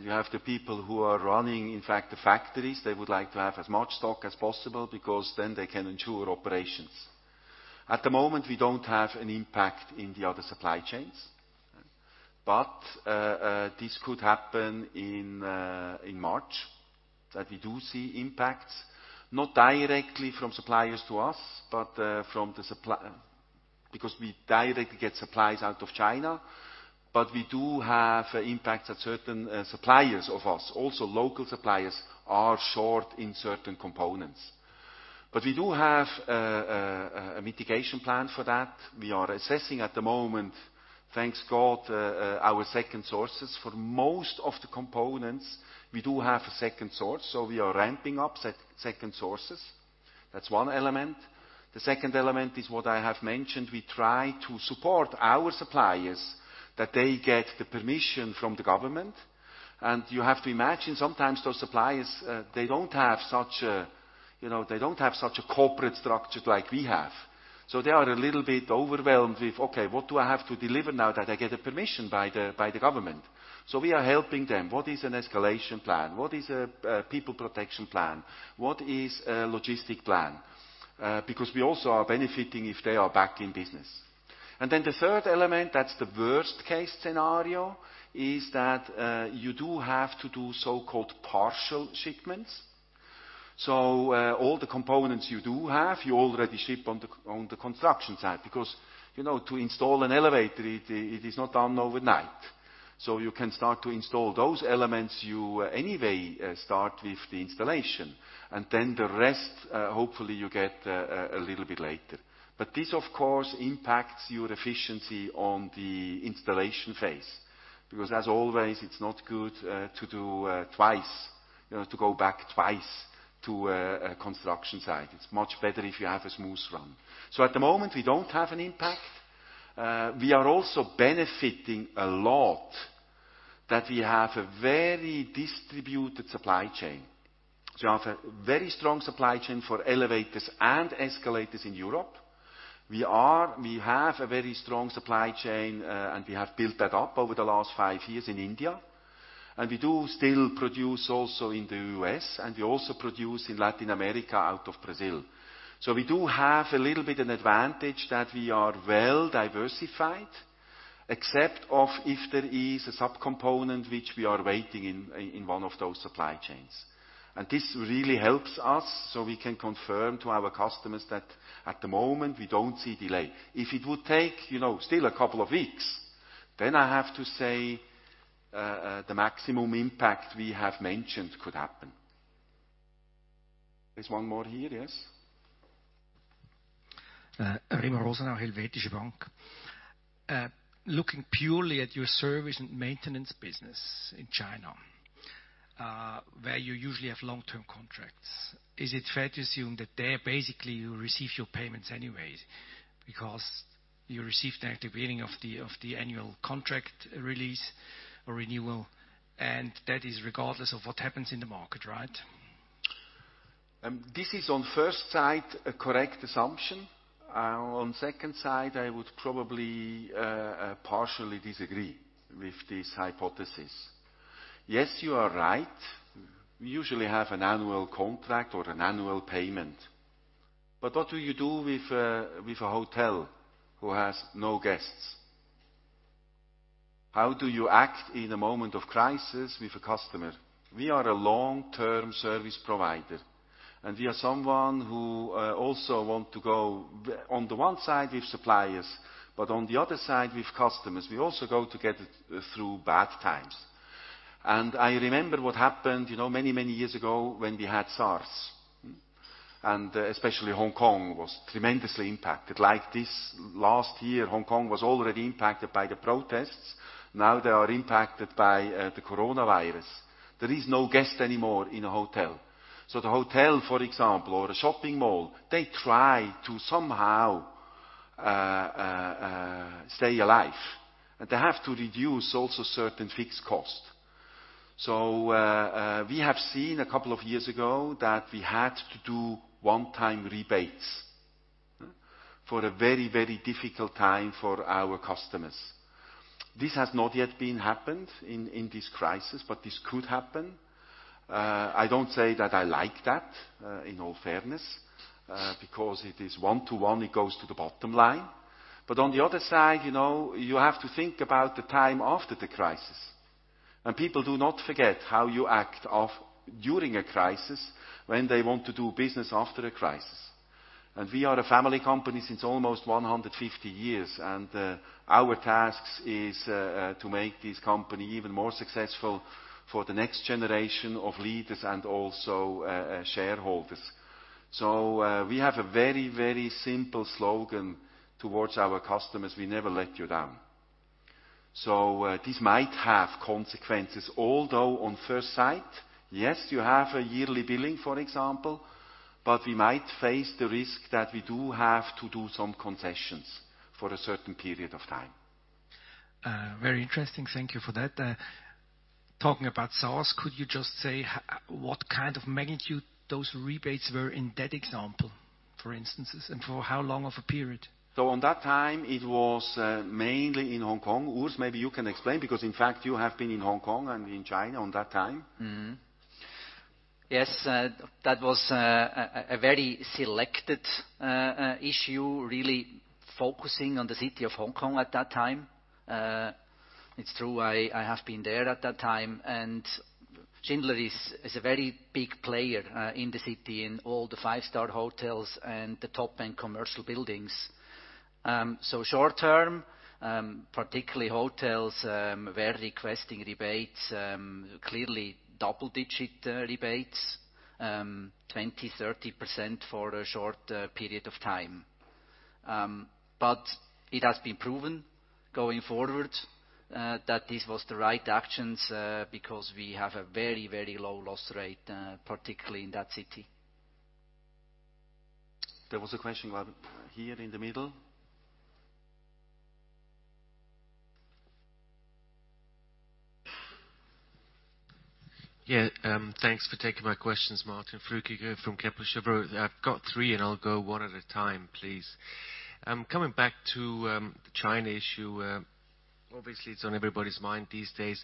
You have the people who are running, in fact, the factories. They would like to have as much stock as possible because then they can ensure operations. At the moment, we don't have an impact in the other supply chains. This could happen in March, that we do see impacts, not directly from suppliers to us, because we directly get supplies out of China. We do have impacts at certain suppliers of us. Also, local suppliers are short in certain components. We do have a mitigation plan for that. We are assessing at the moment, thanks God, our second sources. For most of the components, we do have a second source. We are ramping up second sources. That's one element. The second element is what I have mentioned, we try to support our suppliers that they get the permission from the government. You have to imagine, sometimes those suppliers, they don't have such a corporate structure like we have. They are a little bit overwhelmed with, okay, what do I have to deliver now that I get a permission by the government? We are helping them. What is an escalation plan? What is a people protection plan? What is a logistic plan? Because we also are benefiting if they are back in business. The third element, that's the worst case scenario, is that you do have to do so-called partial shipments. All the components you do have, you already ship on the construction site, because to install an elevator, it is not done overnight. You can start to install those elements. You anyway start with the installation, and then the rest, hopefully, you get a little bit later. This, of course, impacts your efficiency on the installation phase, because as always, it's not good to do twice, to go back twice to a construction site. It's much better if you have a smooth run. At the moment, we don't have an impact. We are also benefiting a lot that we have a very distributed supply chain. We have a very strong supply chain for elevators and escalators in Europe. We have a very strong supply chain, and we have built that up over the last five years in India. We do still produce also in the U.S., we also produce in Latin America out of Brazil. We do have a little bit of an advantage that we are well-diversified, except of if there is a sub-component which we are waiting in one of those supply chains. This really helps us so we can confirm to our customers that at the moment, we don't see delay. If it would take still a couple of weeks, I have to say, the maximum impact we have mentioned could happen. There's one more here. Yes. Remo Rosenau, Helvetische Bank. Looking purely at your service and maintenance business in China, where you usually have long-term contracts, is it fair to assume that there basically you receive your payments anyways because you received at the beginning of the annual contract release or renewal, and that is regardless of what happens in the market, right? This is on first sight, a correct assumption. On second sight, I would probably partially disagree with this hypothesis. Yes, you are right. We usually have an annual contract or an annual payment. What do you do with a hotel who has no guests? How do you act in a moment of crisis with a customer? We are a long-term service provider, and we are someone who also want to go on the one side with suppliers, but on the other side with customers. We also go together through bad times. I remember what happened many, many years ago when we had SARS, and especially Hong Kong was tremendously impacted. Like this last year, Hong Kong was already impacted by the protests. Now they are impacted by the coronavirus. There is no guest anymore in a hotel. The hotel, for example, or a shopping mall, they try to somehow stay alive, and they have to reduce also certain fixed costs. We have seen a couple of years ago that we had to do one-time rebates for a very, very difficult time for our customers. This has not yet been happened in this crisis, but this could happen. I don't say that I like that, in all fairness, because it is one-to-one, it goes to the bottom line. On the other side, you have to think about the time after the crisis. People do not forget how you act during a crisis when they want to do business after a crisis. We are a family company since almost 150 years, and our task is to make this company even more successful for the next generation of leaders and also shareholders. We have a very, very simple slogan towards our customers: "We never let you down." This might have consequences, although on first sight, yes, you have a yearly billing, for example, but we might face the risk that we do have to do some concessions for a certain period of time. Very interesting. Thank you for that. Talking about SaaS, could you just say what kind of magnitude those rebates were in that example, for instance, and for how long of a period? At that time, it was mainly in Hong Kong. Urs, maybe you can explain, because in fact, you have been in Hong Kong and in China at that time. Yes. That was a very selected issue, really focusing on the city of Hong Kong at that time. It's true, I have been there at that time. Schindler is a very big player in the city, in all the five-star hotels and the top-end commercial buildings. Short-term, particularly hotels were requesting rebates, clearly double-digit rebates, 20%, 30% for a short period of time. It has been proven, going forward, that this was the right actions, because we have a very, very low loss rate, particularly in that city. There was a question here in the middle. Thanks for taking my questions, Martin Flückiger from Kepler Cheuvreux. I've got three, and I'll go one at a time, please. Coming back to the China issue, obviously it's on everybody's mind these days.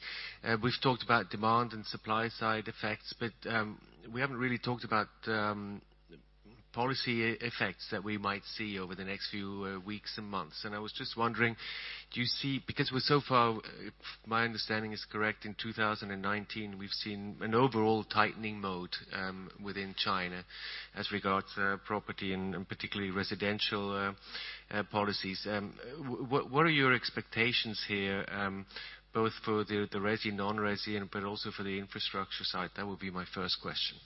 We've talked about demand and supply side effects, but we haven't really talked about policy effects that we might see over the next few weeks and months. I was just wondering, do you see, because so far, if my understanding is correct, in 2019, we've seen an overall tightening mode within China as regards property and particularly residential policies. What are your expectations here, both for the resi, non-resi, but also for the infrastructure side? That would be my first question.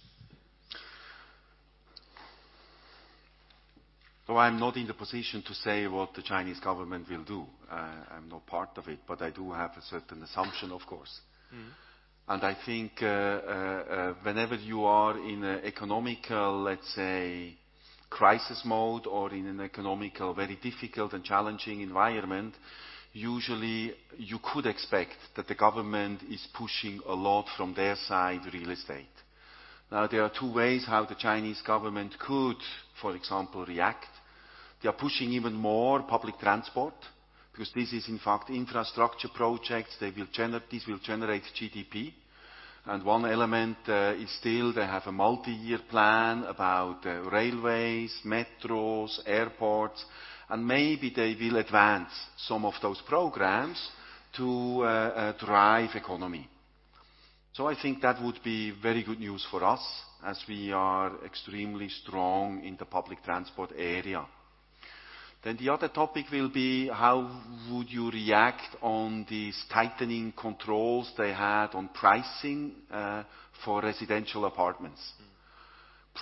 I'm not in the position to say what the Chinese government will do. I'm not part of it, but I do have a certain assumption, of course. I think whenever you are in an economical, let's say, crisis mode or in an economical very difficult and challenging environment, usually you could expect that the government is pushing a lot from their side real estate. Now, there are two ways how the Chinese government could, for example, react. They are pushing even more public transport, because this is in fact infrastructure projects. This will generate GDP. One element is still they have a multi-year plan about railways, metros, airports, and maybe they will advance some of those programs to drive economy. I think that would be very good news for us, as we are extremely strong in the public transport area. The other topic will be how would you react on these tightening controls they had on pricing for residential apartments?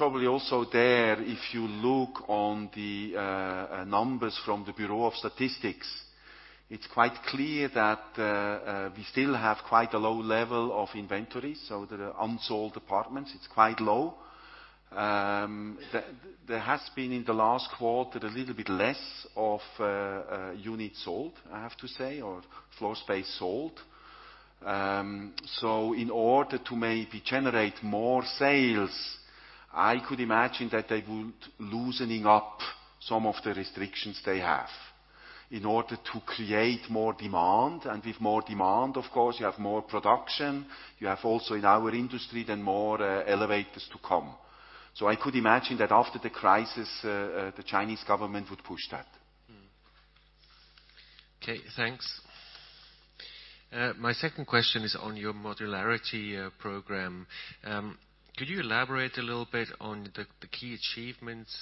Also there, if you look on the numbers from the Bureau of Statistics, it's quite clear that we still have quite a low level of inventory. The unsold apartments, it's quite low. There has been, in the last quarter, a little bit less of units sold, I have to say, or floor space sold. In order to maybe generate more sales, I could imagine that they would loosening up some of the restrictions they have in order to create more demand. With more demand, of course, you have more production. You have also, in our industry, more elevators to come. I could imagine that after the crisis, the Chinese government would push that. Okay, thanks. My second question is on your modularity program. Could you elaborate a little bit on the key achievements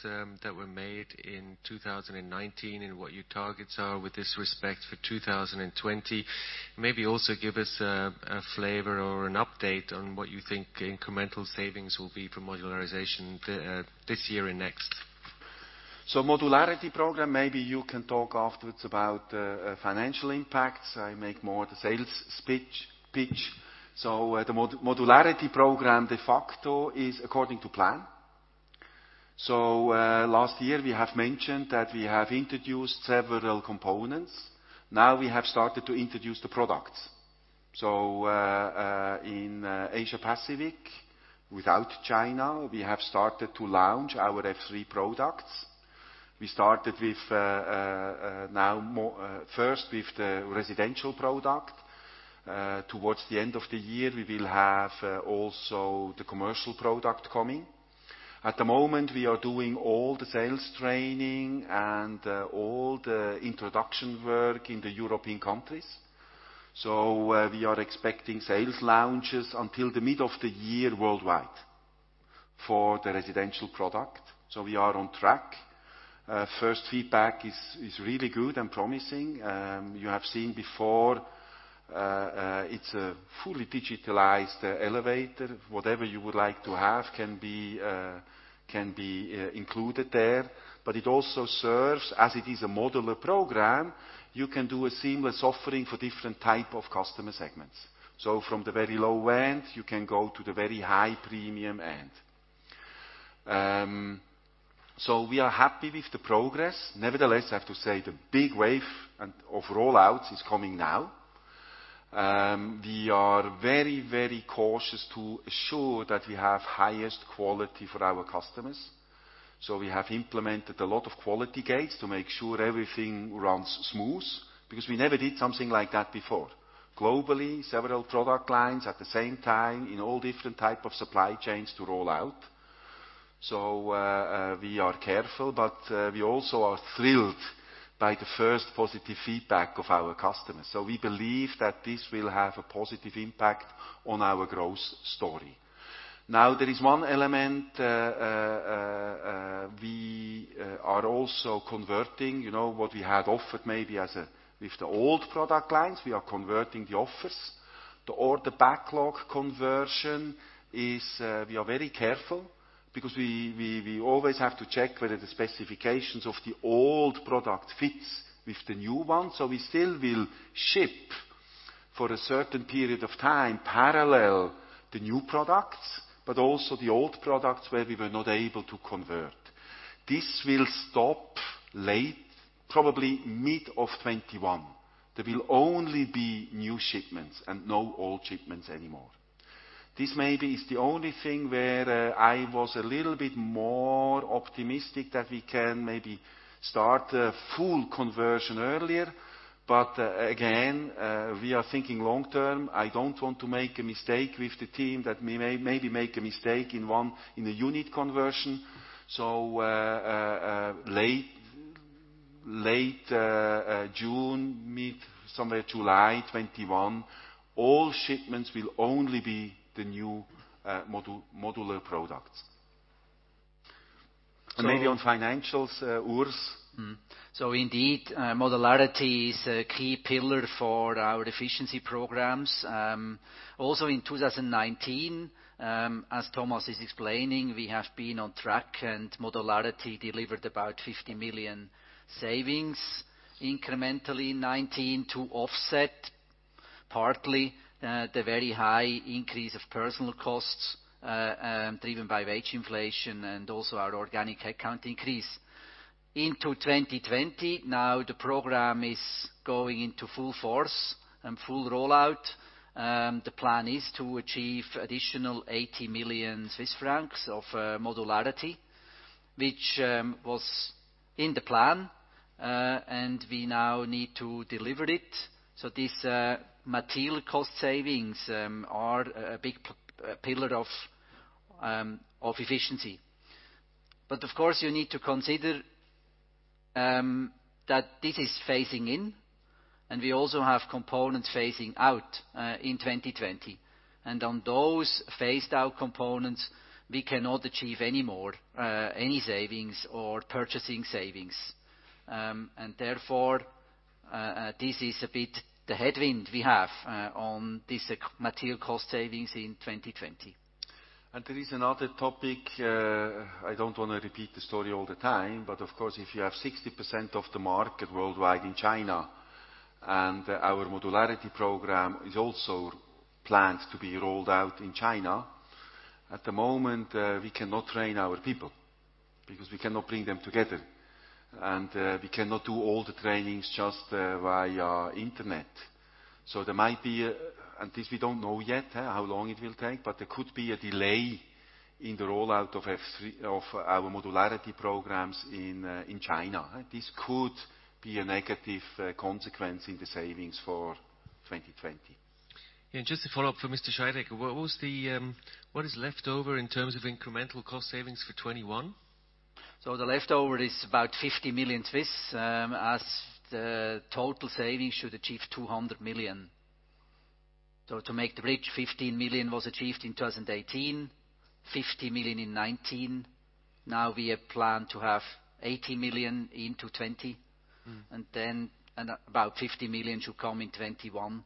that were made in 2019 and what your targets are with this respect for 2020? Maybe also give us a flavor or an update on what you think incremental savings will be for modularization this year and next. Modularity Program, maybe you can talk afterwards about financial impacts. I make more the sales pitch. The Modularity Program, de facto, is according to plan. Last year, we have mentioned that we have introduced several components. Now we have started to introduce the products. In Asia Pacific, without China, we have started to launch our F3 products. We started first with the residential product. Towards the end of the year, we will have also the commercial product coming. At the moment, we are doing all the sales training and all the introduction work in the European countries. We are expecting sales launches until the mid of the year worldwide for the residential product. We are on track. First feedback is really good and promising. You have seen before, it's a fully digitalized elevator. Whatever you would like to have can be included there. It also serves, as it is a modular program, you can do a seamless offering for different type of customer segments. From the very low end, you can go to the very high premium end. We are happy with the progress. Nevertheless, I have to say the big wave of roll-outs is coming now. We are very cautious to assure that we have highest quality for our customers. We have implemented a lot of quality gates to make sure everything runs smooth, because we never did something like that before. Globally, several product lines at the same time in all different type of supply chains to roll out. We are careful, but we also are thrilled by the first positive feedback of our customers. We believe that this will have a positive impact on our growth story. There is one element, we are also converting. What we had offered maybe with the old product lines, we are converting the offers. The order backlog conversion. We are very careful because we always have to check whether the specifications of the old product fits with the new one. We still will ship, for a certain period of time, parallel the new products, but also the old products where we were not able to convert. This will stop late, probably mid of 2021. There will only be new shipments and no old shipments anymore. This maybe is the only thing where I was a little bit more optimistic that we can maybe start a full conversion earlier. Again, we are thinking long term. I don't want to make a mistake with the team that maybe make a mistake in the unit conversion. Late June, mid somewhere July 2021, all shipments will only be the new modular products. Maybe on financials, Urs? Indeed, modularity is a key pillar for our efficiency programs. In 2019, as Thomas is explaining, we have been on track and modularity delivered about 50 million savings incrementally in 2019 to offset partly the very high increase of personal costs, driven by wage inflation and also our organic headcount increase. Into 2020, now the program is going into full force and full rollout. The plan is to achieve additional 80 million Swiss francs of modularity, which was in the plan, and we now need to deliver it. This material cost savings are a big pillar of efficiency. Of course, you need to consider that this is phasing in, and we also have components phasing out in 2020. On those phased out components, we cannot achieve any more savings or purchasing savings. Therefore, this is a bit the headwind we have on this material cost savings in 2020. There is another topic, I don't want to repeat the story all the time, but of course, if you have 60% of the market worldwide in China, our modularity program is also planned to be rolled out in China. At the moment, we cannot train our people because we cannot bring them together. We cannot do all the trainings just via internet. This, we don't know yet, how long it will take, but there could be a delay in the rollout of our modularity programs in China. This could be a negative consequence in the savings for 2020. Yeah, just a follow-up for Mr. Scheidegger. What is left over in terms of incremental cost savings for 2021? The leftover is about 50 million, as the total savings should achieve 200 million. To make the bridge, 15 million was achieved in 2018, 50 million in 2019. Now we have planned to have 80 million into 2020. About 50 million should come in 2021.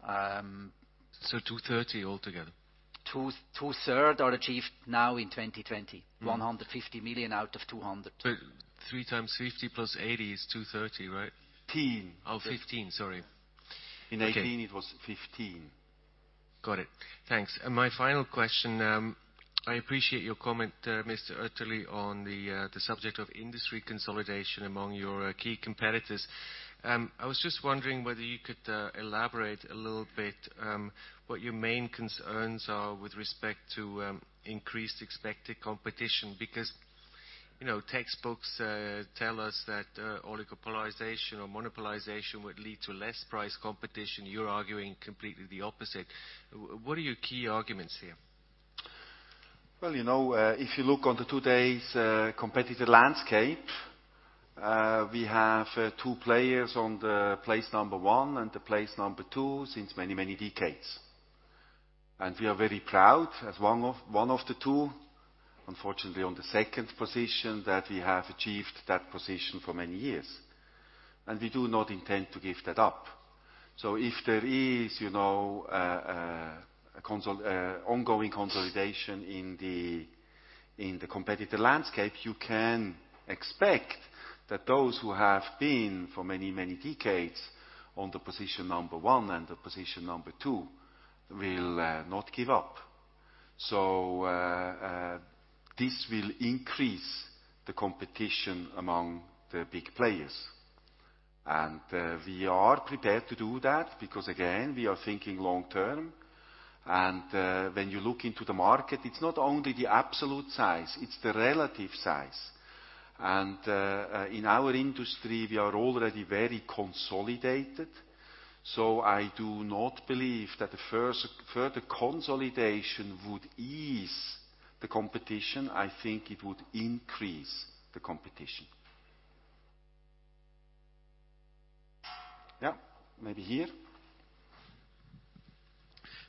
230 altogether? Two thirds are achieved now in 2020. 150 million out of 200 million. Three times 50 plus 80 is 230, right? Fifteen. Oh, 15, sorry. Okay. In 2018 it was 15. Got it. Thanks. My final question, I appreciate your comment, Mr. Öetterli, on the subject of industry consolidation among your key competitors. I was just wondering whether you could elaborate a little bit, what your main concerns are with respect to increased expected competition. Textbooks tell us that oligopolization or monopolization would lead to less price competition. You're arguing completely the opposite. What are your key arguments here? Well, if you look on today's competitive landscape, we have two players on the place number one and the place number two since many, many decades. We are very proud as one of the two, unfortunately, on the second position, that we have achieved that position for many years. We do not intend to give that up. If there is ongoing consolidation in the competitive landscape, you can expect that those who have been for many, many decades on the position number one and the position number two will not give up. This will increase the competition among the big players. We are prepared to do that because, again, we are thinking long-term. When you look into the market, it's not only the absolute size, it's the relative size. In our industry, we are already very consolidated. I do not believe that further consolidation would ease the competition. I think it would increase the competition. Yeah, maybe here.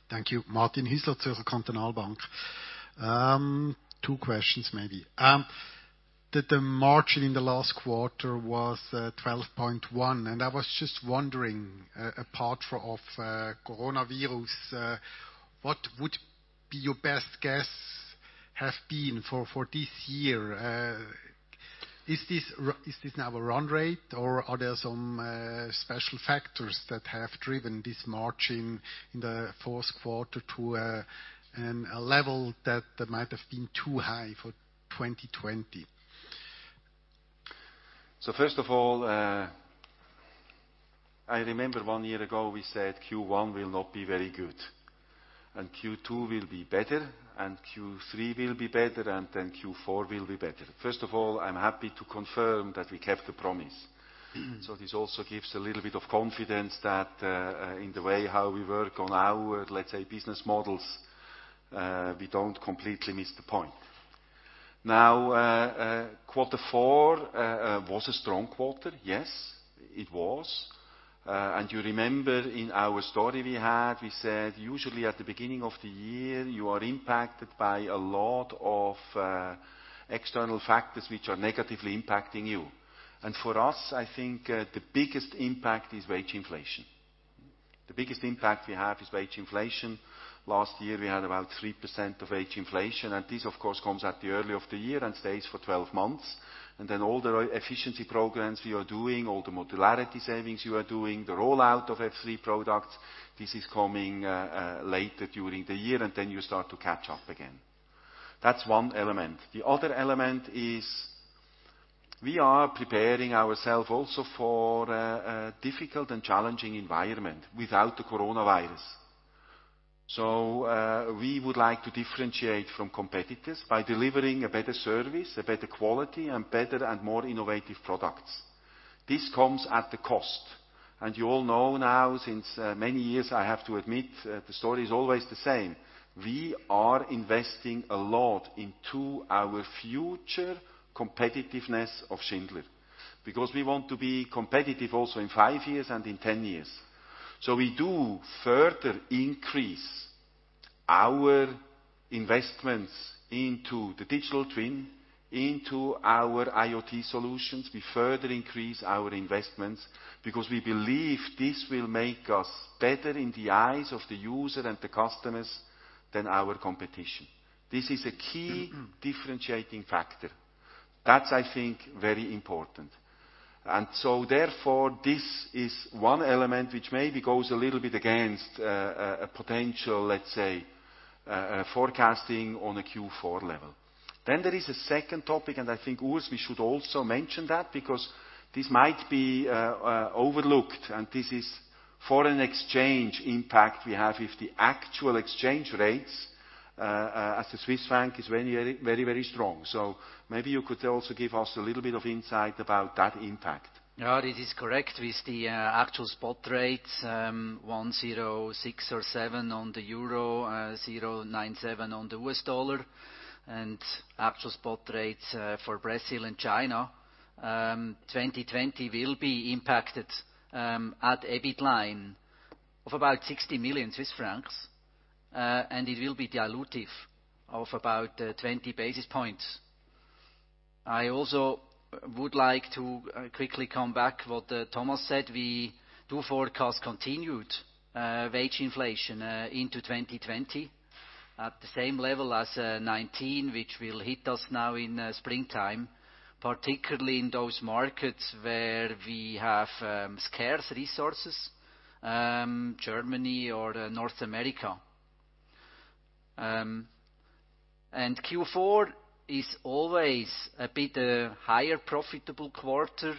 Thank you. Martin Hüsler, Zürcher Kantonalbank. Two questions maybe. The margin in the last quarter was 12.1%, and I was just wondering, apart of coronavirus, what would be your best guess have been for this year? Is this now a run rate, or are there some special factors that have driven this margin in the fourth quarter to a level that might have been too high for 2020? First of all, I remember one year ago, we said Q1 will not be very good, and Q2 will be better, and Q3 will be better, and then Q4 will be better. First of all, I'm happy to confirm that we kept the promise. This also gives a little bit of confidence that in the way how we work on our, let's say, business models, we don't completely miss the point. Quarter four was a strong quarter. Yes, it was. You remember in our story we had, we said, usually at the beginning of the year, you are impacted by a lot of external factors which are negatively impacting you. For us, I think the biggest impact is wage inflation. The biggest impact we have is wage inflation. Last year, we had about 3% of wage inflation. This, of course, comes at the early of the year and stays for 12 months. Then all the efficiency programs we are doing, all the modularity savings we are doing, the rollout of F3 products, this is coming later during the year, and then you start to catch up again. That's one element. The other element is we are preparing ourselves also for a difficult and challenging environment without the coronavirus. We would like to differentiate from competitors by delivering a better service, a better quality, and better and more innovative products. This comes at a cost, and you all know now since many years, I have to admit, the story is always the same. We are investing a lot into our future competitiveness of Schindler, because we want to be competitive also in five years and in 10 years. We do further increase our investments into the digital twin, into our IoT solutions. We further increase our investments because we believe this will make us better in the eyes of the user and the customers than our competition. This is a key differentiating factor. That's, I think, very important. Therefore, this is one element which maybe goes a little bit against a potential, let's say, forecasting on a Q4 level. There is a second topic, and I think, Urs, we should also mention that because this might be overlooked, and this is foreign exchange impact we have if the actual exchange rates, as the Swiss franc is very, very strong. Maybe you could also give us a little bit of insight about that impact. This is correct. With the actual spot rates, 106 or 107 on the euro, $0.97 on the U.S. dollar, and actual spot rates for Brazil and China, 2020 will be impacted at EBIT line of about 60 million Swiss francs, and it will be dilutive of about 20 basis points. I also would like to quickly come back what Thomas said. We do forecast continued wage inflation into 2020 at the same level as 2019, which will hit us now in springtime, particularly in those markets where we have scarce resources, Germany or North America. Q4 is always a bit higher profitable quarter.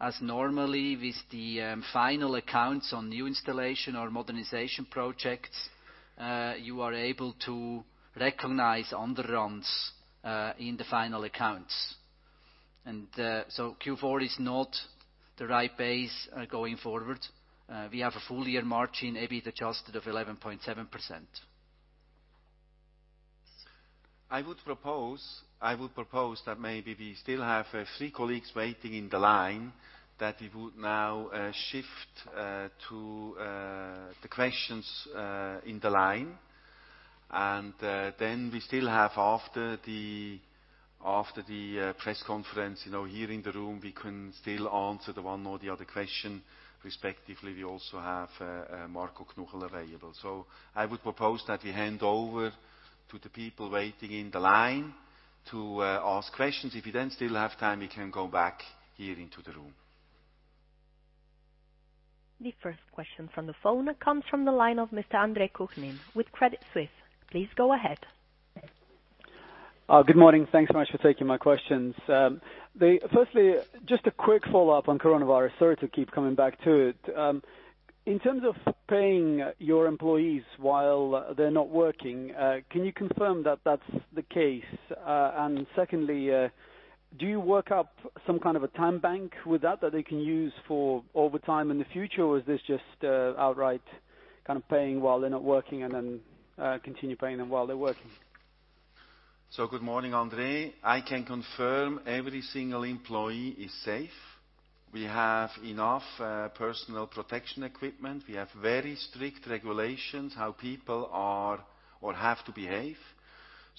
As normally with the final accounts on new installation or modernization projects, you are able to recognize underruns in the final accounts. So Q4 is not the right base going forward. We have a full-year margin EBIT adjusted of 11.7%. I would propose that maybe we still have three colleagues waiting in the line, that we would now shift to the questions in the line. Then we still have after the press conference, here in the room, we can still answer the one or the other question, respectively, we also have Marco Knuchel available. I would propose that we hand over to the people waiting in the line to ask questions. If we then still have time, we can go back here into the room. The first question from the phone comes from the line of Mr. Andre Kukhnin with Credit Suisse. Please go ahead. Good morning. Thanks so much for taking my questions. Firstly, just a quick follow-up on coronavirus. Sorry to keep coming back to it. In terms of paying your employees while they're not working, can you confirm that that's the case? Secondly, do you work up some kind of a time bank with that they can use for overtime in the future? Is this just outright kind of paying while they're not working and then continue paying them while they're working? Good morning, Andre. I can confirm every single employee is safe. We have enough personal protection equipment. We have very strict regulations how people are or have to behave.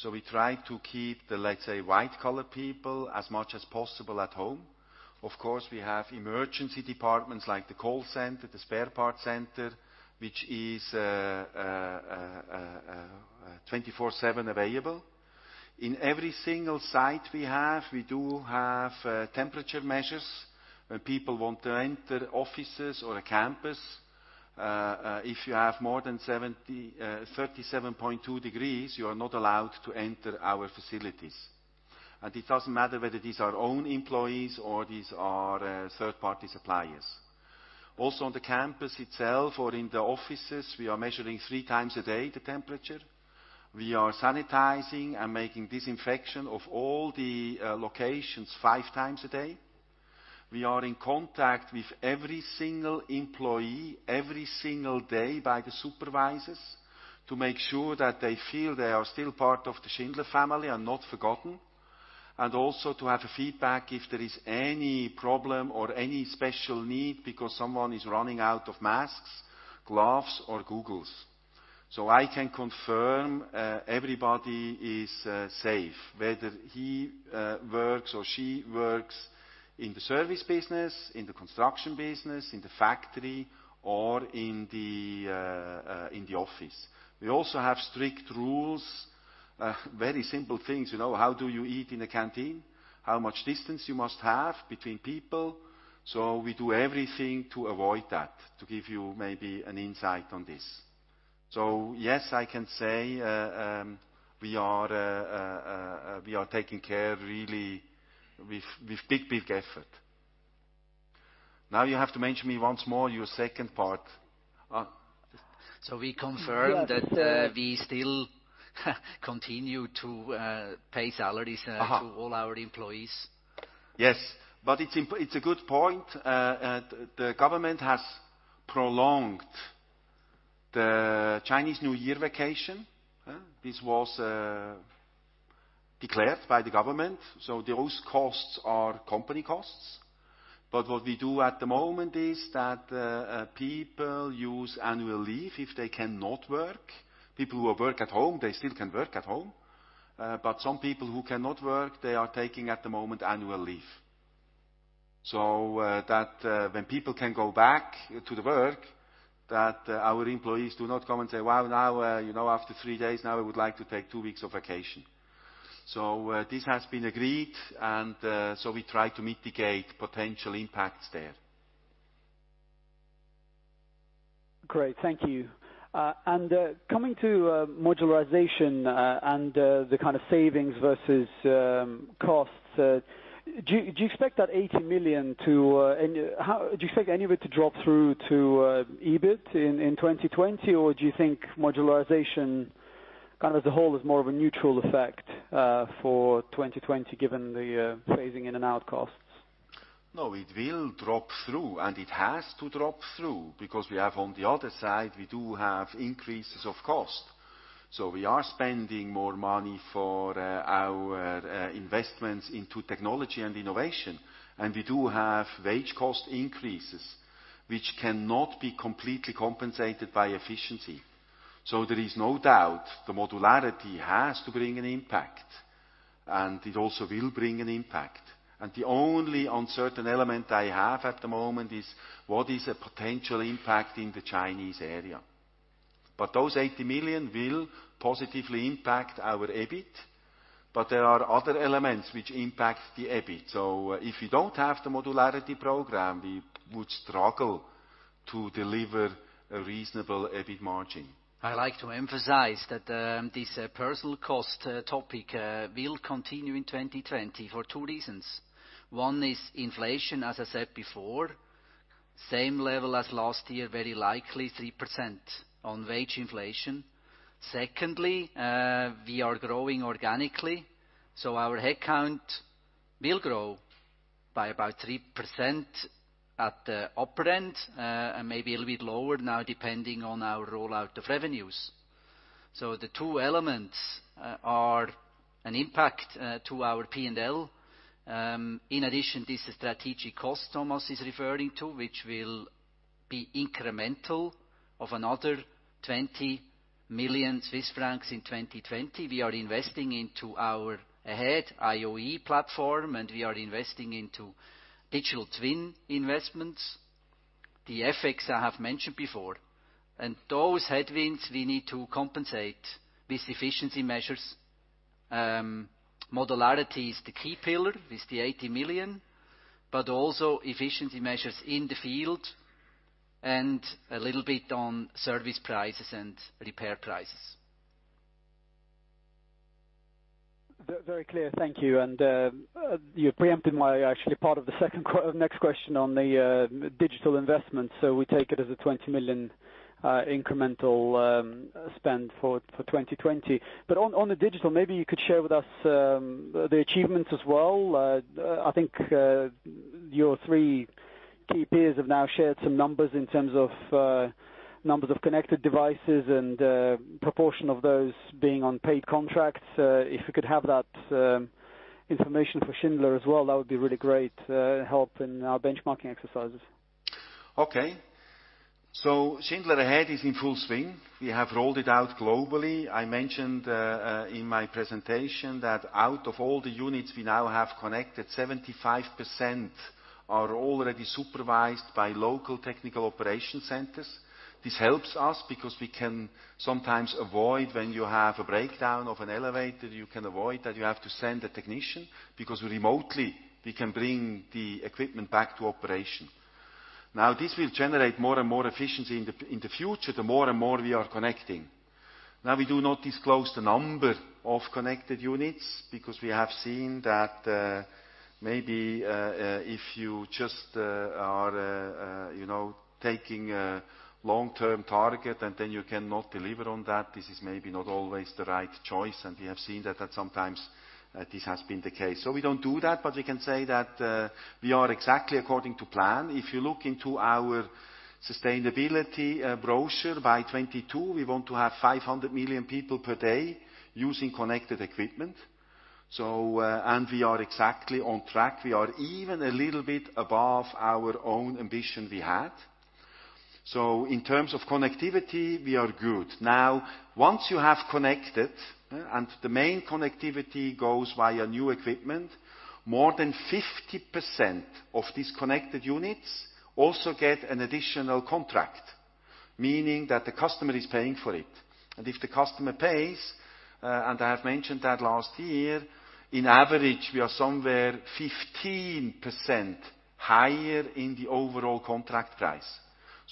We try to keep the, let's say, white-collar people as much as possible at home. Of course, we have emergency departments like the call center, the spare parts center, which is 24/7 available. In every single site we have, we do have temperature measures when people want to enter offices or a campus. If you have more than 37.2 degrees, you are not allowed to enter our facilities. It doesn't matter whether these are own employees or these are third-party suppliers. Also on the campus itself or in the offices, we are measuring three times a day the temperature. We are sanitizing and making disinfection of all the locations five times a day. We are in contact with every single employee, every single day by the supervisors to make sure that they feel they are still part of the Schindler family and not forgotten, and also to have a feedback if there is any problem or any special need because someone is running out of masks, gloves, or goggles. I can confirm everybody is safe, whether he works or she works in the service business, in the construction business, in the factory, or in the office. We also have strict rules, very simple things, how do you eat in a canteen, how much distance you must have between people. We do everything to avoid that, to give you maybe an insight on this. Yes, I can say we are taking care really with big effort. Now you have to mention me once more your second part. We confirm that we still continue to pay salaries to all our employees. Yes. It's a good point. The government has prolonged the Chinese New Year vacation. This was declared by the government, so those costs are company costs. What we do at the moment is that people use annual leave if they cannot work. People who work at home, they still can work at home. Some people who cannot work, they are taking at the moment annual leave. That when people can go back to the work, that our employees do not come and say, "Well, now after three days, now I would like to take two weeks of vacation." This has been agreed, and so we try to mitigate potential impacts there. Great. Thank you. Coming to modularization and the kind of savings versus costs, do you expect any of it to drop through to EBIT in 2020? Do you think modularization kind of as a whole is more of a neutral effect for 2020 given the phasing in and out costs? No, it will drop through. It has to drop through because we have, on the other side, we do have increases of cost. We are spending more money for our investments into technology and innovation. We do have wage cost increases, which cannot be completely compensated by efficiency. There is no doubt the modularity has to bring an impact. It also will bring an impact. The only uncertain element I have at the moment is what is a potential impact in the Chinese area. Those 80 million will positively impact our EBIT. There are other elements which impact the EBIT. If we don't have the modularity program, we would struggle to deliver a reasonable EBIT margin. I like to emphasize that this personal cost topic will continue in 2020 for two reasons. One is inflation, as I said before, same level as last year, very likely 3% on wage inflation. Secondly, we are growing organically, so our head count will grow by about 3% at the upper end, and maybe a little bit lower now depending on our rollout of revenues. The two elements are an impact to our P&L. In addition, this strategic cost Thomas is referring to, which will be incremental of another 20 million Swiss francs in 2020. We are investing into our Schindler Ahead IoEE platform, and we are investing into digital twin investments. The FX I have mentioned before. Those headwinds we need to compensate with efficiency measures. Modularity is the key pillar with the 80 million, but also efficiency measures in the field and a little bit on service prices and repair prices. Very clear. Thank you. You preempted actually part of the next question on the digital investment. We take it as a 20 million incremental spend for 2020. On the digital, maybe you could share with us the achievements as well. I think your three key peers have now shared some numbers in terms of numbers of connected devices and proportion of those being on paid contracts. If we could have that information for Schindler as well, that would be really great help in our benchmarking exercises. Schindler Ahead is in full swing. We have rolled it out globally. I mentioned in my presentation that out of all the units we now have connected, 75% are already supervised by local technical operation centers. This helps us because we can sometimes avoid when you have a breakdown of an elevator, you can avoid that you have to send a technician, because remotely, we can bring the equipment back to operation. This will generate more and more efficiency in the future, the more and more we are connecting. We do not disclose the number of connected units because we have seen that maybe if you just are taking a long-term target, and then you cannot deliver on that, this is maybe not always the right choice. We have seen that sometimes this has been the case. We don't do that, but we can say that we are exactly according to plan. If you look into our sustainability brochure, by 2022, we want to have 500 million people per day using connected equipment. We are exactly on track. We are even a little bit above our own ambition we had. In terms of connectivity, we are good. Once you have connected, and the main connectivity goes via new equipment, more than 50% of these connected units also get an additional contract, meaning that the customer is paying for it. If the customer pays, and I have mentioned that last year, in average, we are somewhere 15% higher in the overall contract price.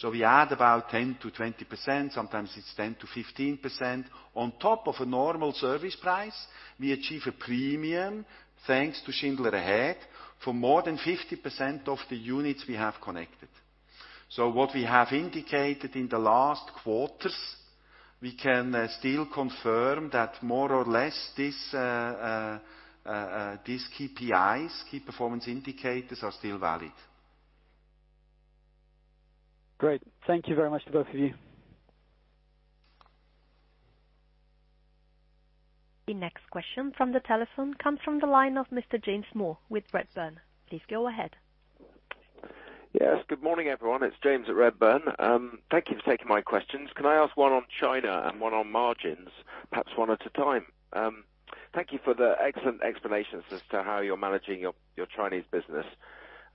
We add about 10%-20%, sometimes it's 10%-15% on top of a normal service price. We achieve a premium thanks to Schindler Ahead for more than 50% of the units we have connected. What we have indicated in the last quarters, we can still confirm that more or less, these KPIs, key performance indicators, are still valid. Great. Thank you very much to both of you. The next question from the telephone comes from the line of Mr. James Moore with Redburn. Please go ahead. Yes. Good morning, everyone. It's James at Redburn. Thank you for taking my questions. Can I ask one on China and one on margins, perhaps one at a time? Thank you for the excellent explanations as to how you're managing your Chinese business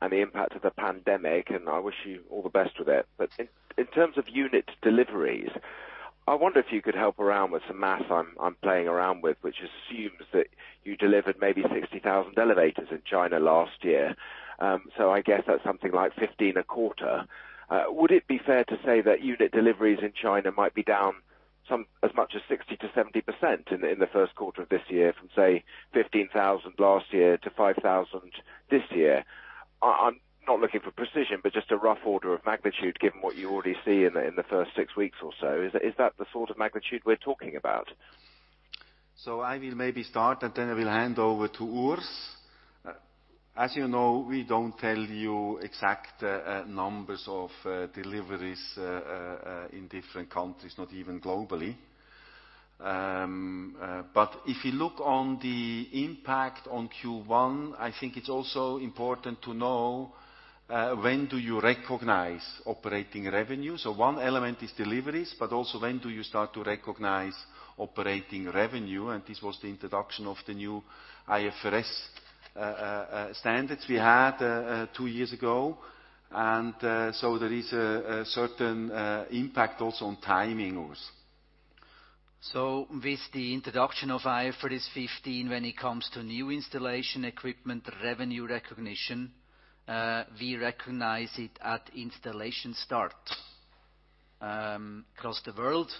and the impact of the pandemic. I wish you all the best with it. In terms of unit deliveries, I wonder if you could help around with some math I'm playing around with, which assumes that you delivered maybe 60,000 elevators in China last year. I guess that's something like 15 a quarter. Would it be fair to say that unit deliveries in China might be down as much as 60%-70% in the first quarter of this year from, say, 15,000 last year to 5,000 this year? I'm not looking for precision, but just a rough order of magnitude, given what you already see in the first six weeks or so. Is that the sort of magnitude we're talking about? I will maybe start, and then I will hand over to Urs. As you know, we don't tell you exact numbers of deliveries in different countries, not even globally. If you look on the impact on Q1, I think it's also important to know, when do you recognize operating revenue? One element is deliveries, but also when do you start to recognize operating revenue? This was the introduction of the new IFRS standards we had two years ago. There is a certain impact also on timing, Urs. With the introduction of IFRS 15, when it comes to new installation equipment revenue recognition, we recognize it at installation start across the world.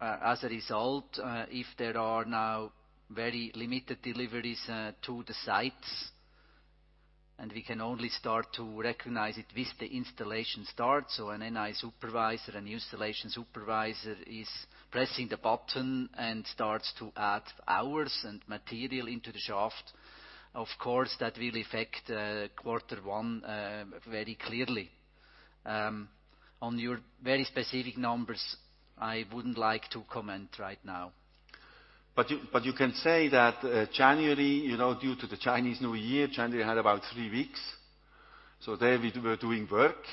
As a result, if there are now very limited deliveries to the sites, and we can only start to recognize it with the installation start. An NI supervisor, an installation supervisor, is pressing the button and starts to add hours and material into the shaft. Of course, that will affect quarter one very clearly. On your very specific numbers, I wouldn't like to comment right now. You can say that January, due to the Chinese New Year, January had about three weeks. There we were doing work,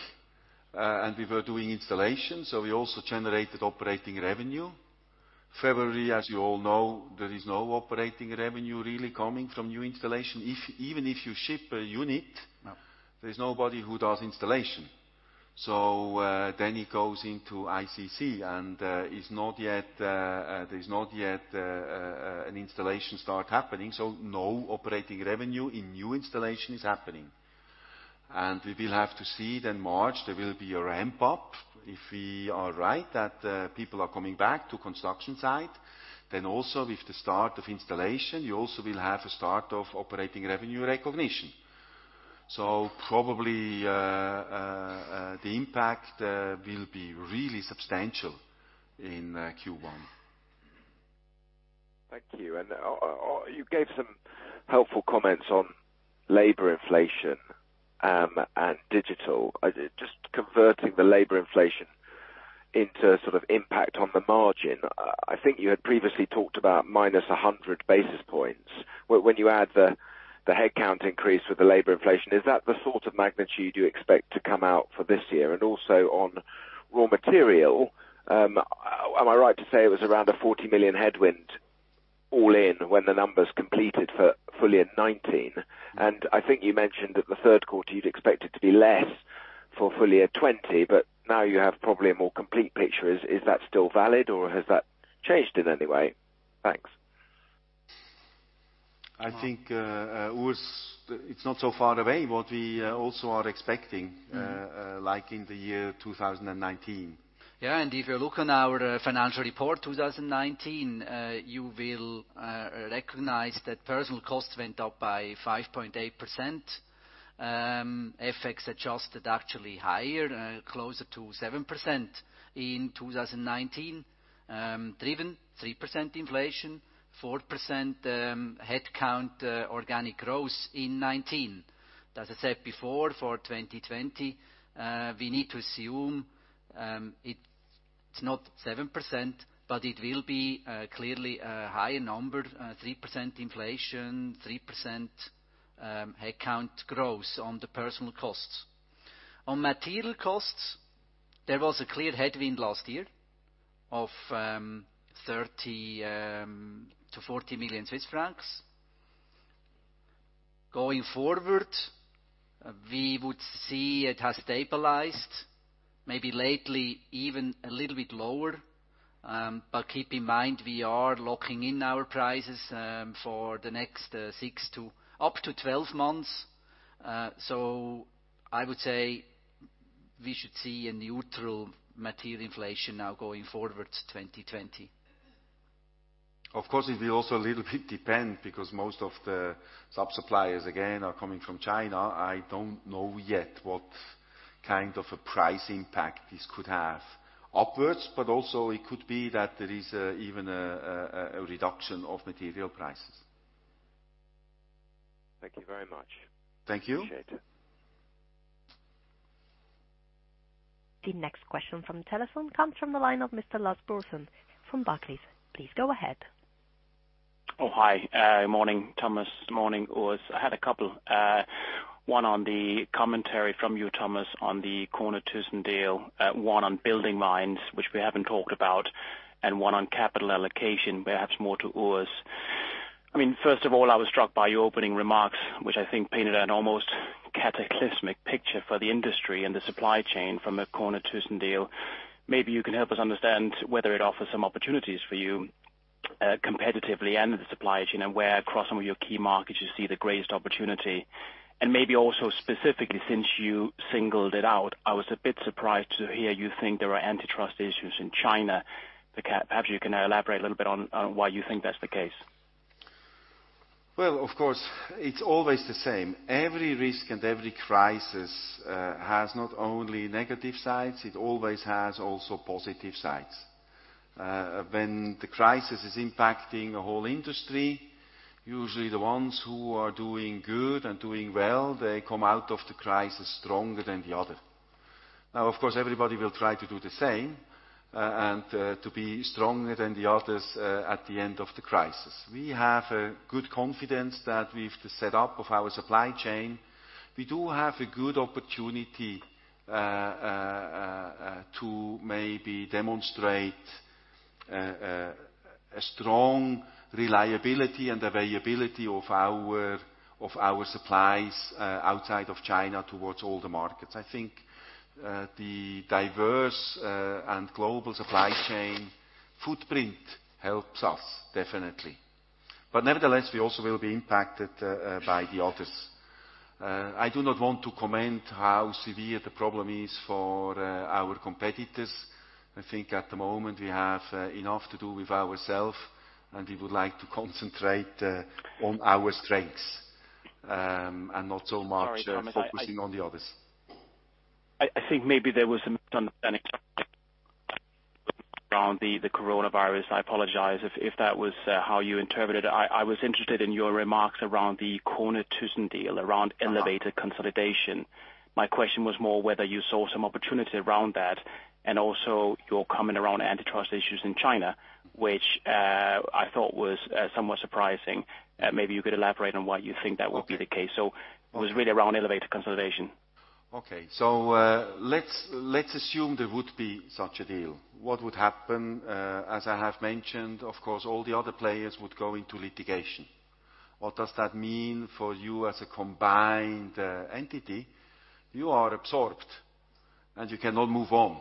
and we were doing installation, so we also generated operating revenue. February, as you all know, there is no operating revenue really coming from new installation. Even if you ship a unit. No There's nobody who does installation. It goes into ICC, and there's not yet an installation start happening, so no operating revenue in new installation is happening. We will have to see then March, there will be a ramp up. If we are right that people are coming back to construction site, then also with the start of installation, you also will have a start of operating revenue recognition. Probably, the impact will be really substantial in Q1. Thank you. You gave some helpful comments on labor inflation and digital. Just converting the labor inflation into sort of impact on the margin. I think you had previously talked about minus 100 basis points. When you add the headcount increase with the labor inflation, is that the sort of magnitude you expect to come out for this year? Also on raw material, am I right to say it was around a 40 million headwind all in when the numbers completed for full year 2019? I think you mentioned that the third quarter you'd expect it to be less for full year 2020. Now you have probably a more complete picture. Is that still valid, or has that changed in any way? Thanks. I think, Urs, it's not so far away what we also are expecting like in the year 2019. If you look on our financial report 2019, you will recognize that personal costs went up by 5.8%, FX adjusted actually higher, closer to 7% in 2019. Driven 3% inflation, 4% headcount organic growth in 2019. As I said before, for 2020, we need to assume it's not 7%, but it will be clearly a higher number, 3% inflation, 3% headcount growth on the personal costs. On material costs, there was a clear headwind last year of 30 million-40 million Swiss francs. Going forward, we would see it has stabilized, maybe lately even a little bit lower. Keep in mind we are locking in our prices for the next six to up to 12 months. I would say we should see a neutral material inflation now going forward 2020. Of course, it will also a little bit depend because most of the sub-suppliers, again, are coming from China. I don't know yet what kind of a price impact this could have upwards, but also it could be that there is even a reduction of material prices. Thank you very much. Thank you. Appreciate it. The next question from the telephone comes from the line of Mr. Lars Brorson from Barclays. Please go ahead. Oh, hi. Morning, Thomas. Morning, Urs. I had a couple. One on the commentary from you, Thomas, on the KONE-ThyssenKrupp deal, one on BuildingMinds, which we haven't talked about, and one on capital allocation, perhaps more to Urs. First of all, I was struck by your opening remarks, which I think painted an almost cataclysmic picture for the industry and the supply chain from a KONE-ThyssenKrupp deal. Maybe you can help us understand whether it offers some opportunities for you competitively and the supply chain, and where across some of your key markets you see the greatest opportunity. Maybe also specifically, since you singled it out, I was a bit surprised to hear you think there are antitrust issues in China. Perhaps you can elaborate a little bit on why you think that's the case. Well, of course, it's always the same. Every risk and every crisis has not only negative sides, it always has also positive sides. When the crisis is impacting a whole industry, usually the ones who are doing good and doing well, they come out of the crisis stronger than the other. Of course, everybody will try to do the same, and to be stronger than the others at the end of the crisis. We have a good confidence that with the set up of our supply chain, we do have a good opportunity to maybe demonstrate a strong reliability and availability of our supplies outside of China towards all the markets. I think the diverse and global supply chain footprint helps us definitely. Nevertheless, we also will be impacted by the others. I do not want to comment how severe the problem is for our competitors. I think at the moment we have enough to do with ourselves, and we would like to concentrate on our strengths, and not so much. Sorry, Thomas. focusing on the others. I think maybe there was a misunderstanding around the coronavirus. I apologize if that was how you interpreted it. I was interested in your remarks around the KONE-ThyssenKrupp deal, around elevator consolidation. My question was more whether you saw some opportunity around that, and also your comment around antitrust issues in China, which I thought was somewhat surprising. Maybe you could elaborate on why you think that would be the case. It was really around elevator consolidation. Okay. Let's assume there would be such a deal. What would happen? As I have mentioned, of course, all the other players would go into litigation. What does that mean for you as a combined entity? You are absorbed and you cannot move on.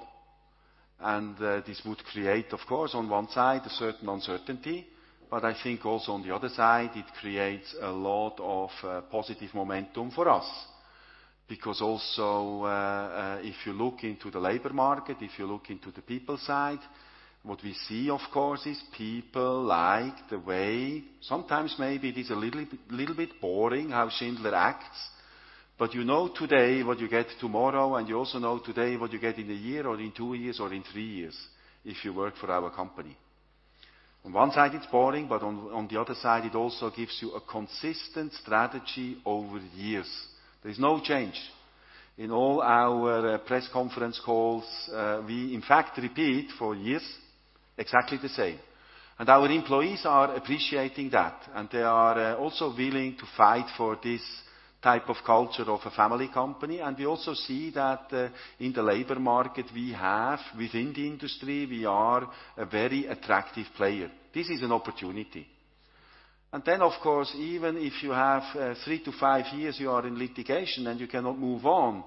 This would create, of course, on one side, a certain uncertainty, but I think also on the other side, it creates a lot of positive momentum for us. Also, if you look into the labor market, if you look into the people side, what we see, of course, is people like the way. Sometimes maybe it is a little bit boring how Schindler acts. You know today what you get tomorrow, and you also know today what you get in a year or in two years or in three years if you work for our company. On one side, it's boring, but on the other side, it also gives you a consistent strategy over years. There is no change. In all our press conference calls, we in fact repeat for years exactly the same. Our employees are appreciating that, and they are also willing to fight for this type of culture of a family company. We also see that in the labor market we have within the industry, we are a very attractive player. This is an opportunity. Of course, even if you have three-five years you are in litigation and you cannot move on,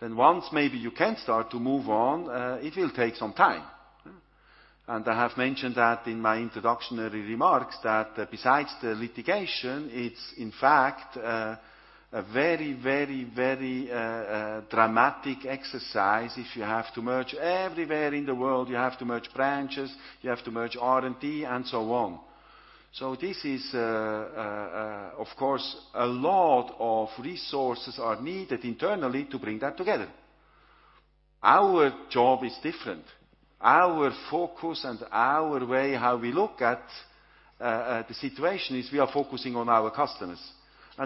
then once maybe you can start to move on, it will take some time. I have mentioned that in my introductory remarks that besides the litigation, it's in fact a very dramatic exercise if you have to merge everywhere in the world, you have to merge branches, you have to merge R&D and so on. This is, of course, a lot of resources are needed internally to bring that together. Our job is different. Our focus and our way how we look at the situation is we are focusing on our customers.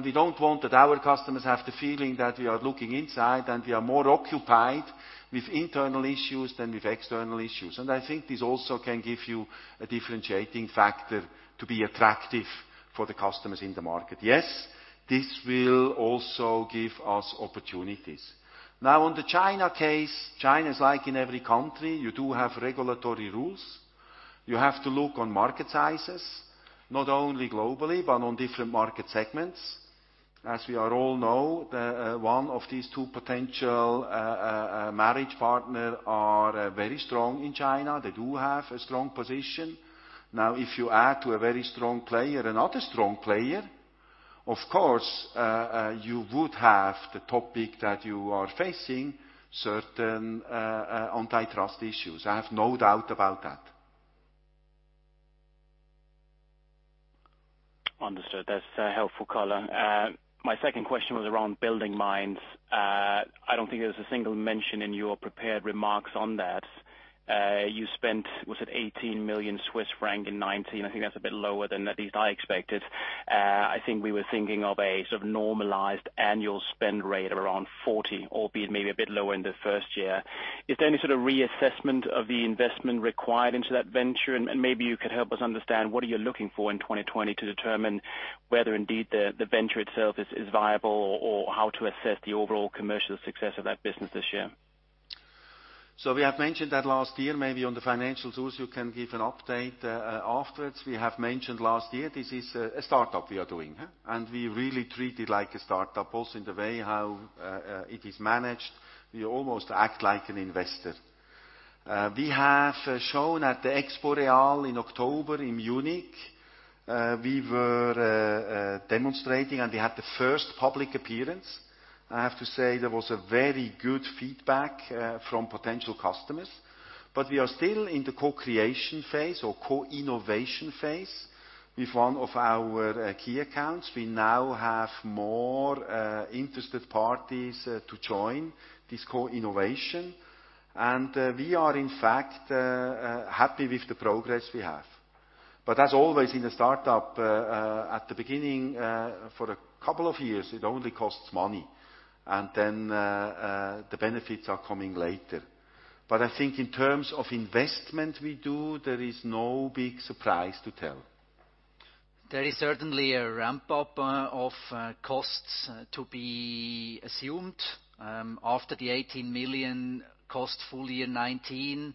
We don't want that our customers have the feeling that we are looking inside and we are more occupied with internal issues than with external issues. I think this also can give you a differentiating factor to be attractive for the customers in the market. Yes, this will also give us opportunities. Now, on the China case, China is like in every country. You do have regulatory rules. You have to look on market sizes, not only globally, but on different market segments. As we all know, one of these two potential marriage partner are very strong in China. They do have a strong position. Now, if you add to a very strong player, another strong player, of course, you would have the topic that you are facing certain antitrust issues. I have no doubt about that. Understood. That's a helpful color. My second question was around BuildingMinds. I don't think there was a single mention in your prepared remarks on that. You spent, was it 18 million Swiss franc in 2019? I think that's a bit lower than at least I expected. I think we were thinking of a sort of normalized annual spend rate of around 40 million, albeit maybe a bit lower in the first year. Is there any sort of reassessment of the investment required into that venture? Maybe you could help us understand what are you looking for in 2020 to determine whether indeed the venture itself is viable or how to assess the overall commercial success of that business this year. We have mentioned that last year, maybe on the financial, Urs you can give an update afterwards. We have mentioned last year, this is a startup we are doing. We really treat it like a startup, also in the way how it is managed. We almost act like an investor. We have shown at the EXPO REAL in October in Munich, we were demonstrating and we had the first public appearance. I have to say there was a very good feedback from potential customers. We are still in the co-creation phase or co-innovation phase with one of our key accounts. We now have more interested parties to join this co-innovation. We are, in fact, happy with the progress we have. As always in a startup, at the beginning, for a couple of years, it only costs money, and then the benefits are coming later. I think in terms of investment we do, there is no big surprise to tell. There is certainly a ramp-up of costs to be assumed. After the 18 million cost full year 2019,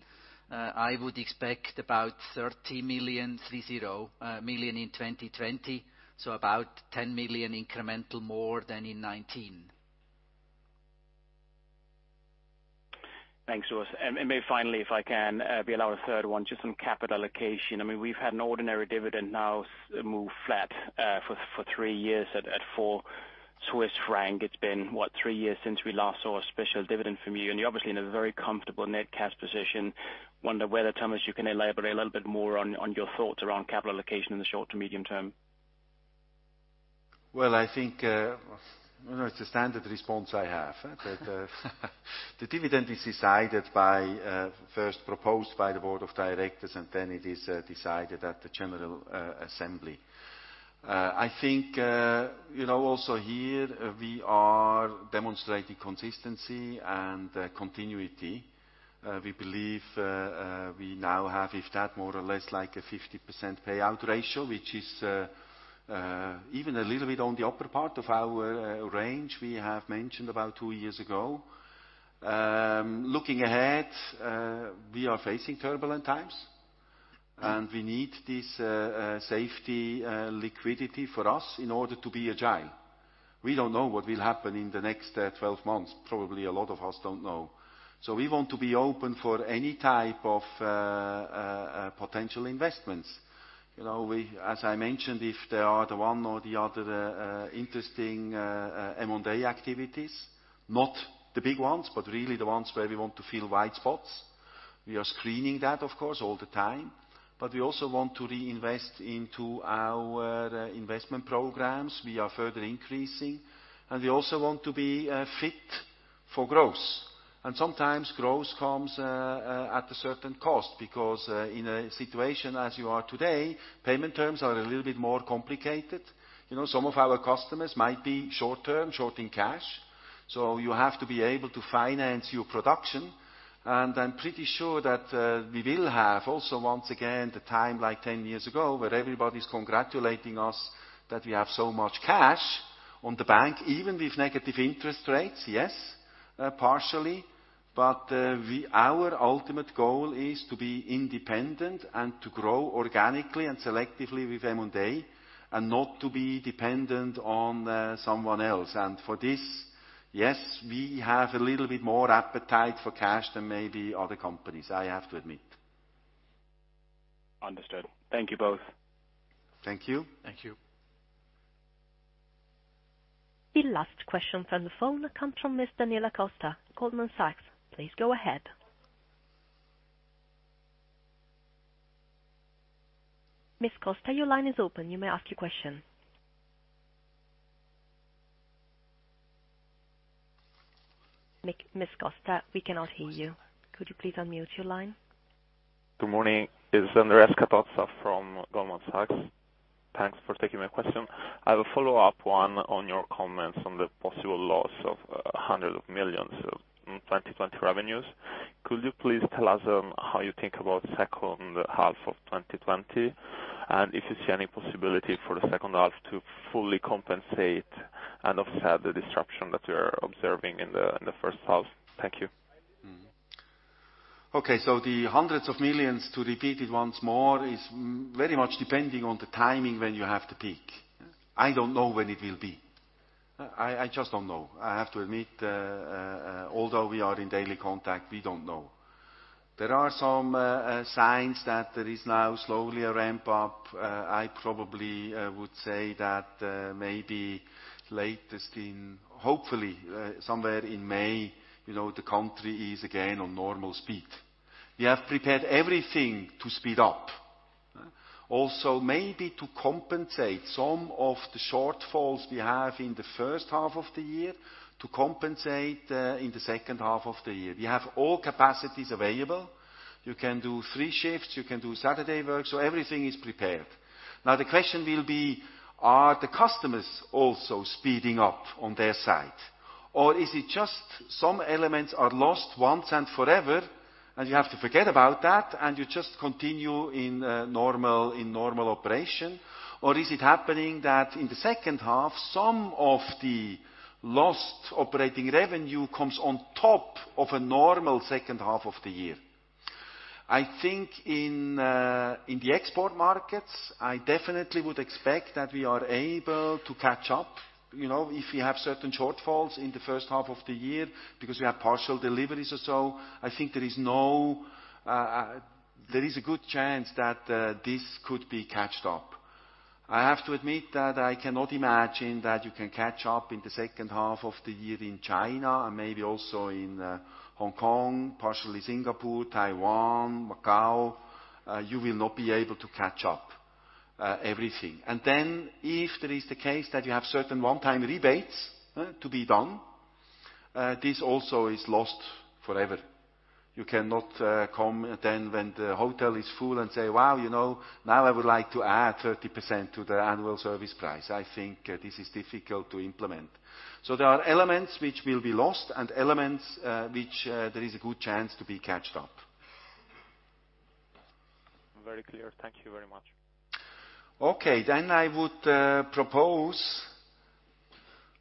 I would expect about 30 million in 2020, so about 10 million incremental more than in 2019. Thanks, Urs. Maybe finally, if I can be allowed a third one, just on capital allocation. We've had an ordinary dividend now move flat for three years at CHF four. It's been, what, three years since we last saw a special dividend from you, and you're obviously in a very comfortable net cash position. Wonder whether, Thomas, you can elaborate a little bit more on your thoughts around capital allocation in the short to medium term? Well, I think it's a standard response I have. The dividend is first proposed by the board of directors. Then it is decided at the general assembly. I think, also here we are demonstrating consistency and continuity. We believe we now have, if that, more or less like a 50% payout ratio, which is even a little bit on the upper part of our range we have mentioned about two years ago. Looking ahead, we are facing turbulent times. We need this safety liquidity for us in order to be agile. We don't know what will happen in the next 12 months. Probably a lot of us don't know. We want to be open for any type of potential investments. As I mentioned, if there are the one or the other interesting M&A activities, not the big ones, but really the ones where we want to fill wide spots. We are screening that, of course, all the time. We also want to reinvest into our investment programs we are further increasing, and we also want to be fit for growth. Sometimes growth comes at a certain cost, because in a situation as you are today, payment terms are a little bit more complicated. Some of our customers might be short term, short in cash, so you have to be able to finance your production. I'm pretty sure that we will have also, once again, the time like 10 years ago, where everybody's congratulating us that we have so much cash on the bank, even with negative interest rates. Yes, partially, but our ultimate goal is to be independent and to grow organically and selectively with M&A and not to be dependent on someone else. For this, yes, we have a little bit more appetite for cash than maybe other companies, I have to admit. Understood. Thank you both. Thank you. Thank you. The last question from the phone comes from Miss Daniela Costa, Goldman Sachs. Please go ahead. Miss Costa, your line is open. You may ask your question. Miss Costa, we cannot hear you. Could you please unmute your line? Good morning. It's Andreas Herr from Goldman Sachs. Thanks for taking my question. I have a follow-up one on your comments on the possible loss of CHF hundreds of millions in 2020 revenues. Could you please tell us how you think about second half of 2020, and if you see any possibility for the second half to fully compensate and offset the disruption that you're observing in the first half? Thank you. Okay, the CHF hundreds of millions, to repeat it once more, is very much depending on the timing when you have the peak. I don't know when it will be. I just don't know. I have to admit, although we are in daily contact, we don't know. There are some signs that there is now slowly a ramp up. I probably would say that maybe latest in, hopefully, somewhere in May, the country is again on normal speed. We have prepared everything to speed up. Also, maybe to compensate some of the shortfalls we have in the first half of the year, to compensate in the second half of the year. We have all capacities available. You can do three shifts, you can do Saturday work, so everything is prepared. Now, the question will be, are the customers also speeding up on their side? Is it just some elements are lost once and forever, and you have to forget about that, and you just continue in normal operation? Is it happening that in the second half, some of the lost operating revenue comes on top of a normal second half of the year? I think in the export markets, I definitely would expect that we are able to catch up. If we have certain shortfalls in the first half of the year because we have partial deliveries or so, I think there is a good chance that this could be caught up. I have to admit that I cannot imagine that you can catch up in the second half of the year in China and maybe also in Hong Kong, partially Singapore, Taiwan, Macau. You will not be able to catch up everything. If there is the case that you have certain one-time rebates to be done, this also is lost forever. You cannot come then when the hotel is full and say, "Wow, now I would like to add 30% to the annual service price." I think this is difficult to implement. There are elements which will be lost and elements which there is a good chance to be caught up. Very clear. Thank you very much. I would propose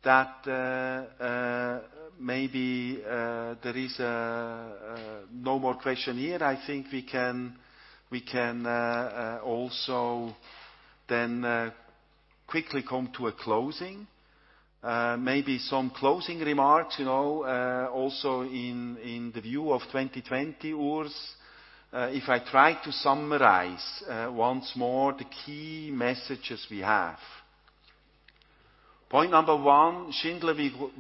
that maybe there is no more question here. I think we can also quickly come to a closing. Maybe some closing remarks, also in the view of 2020, Urs. If I try to summarize once more the key messages we have. Point number 1, Schindler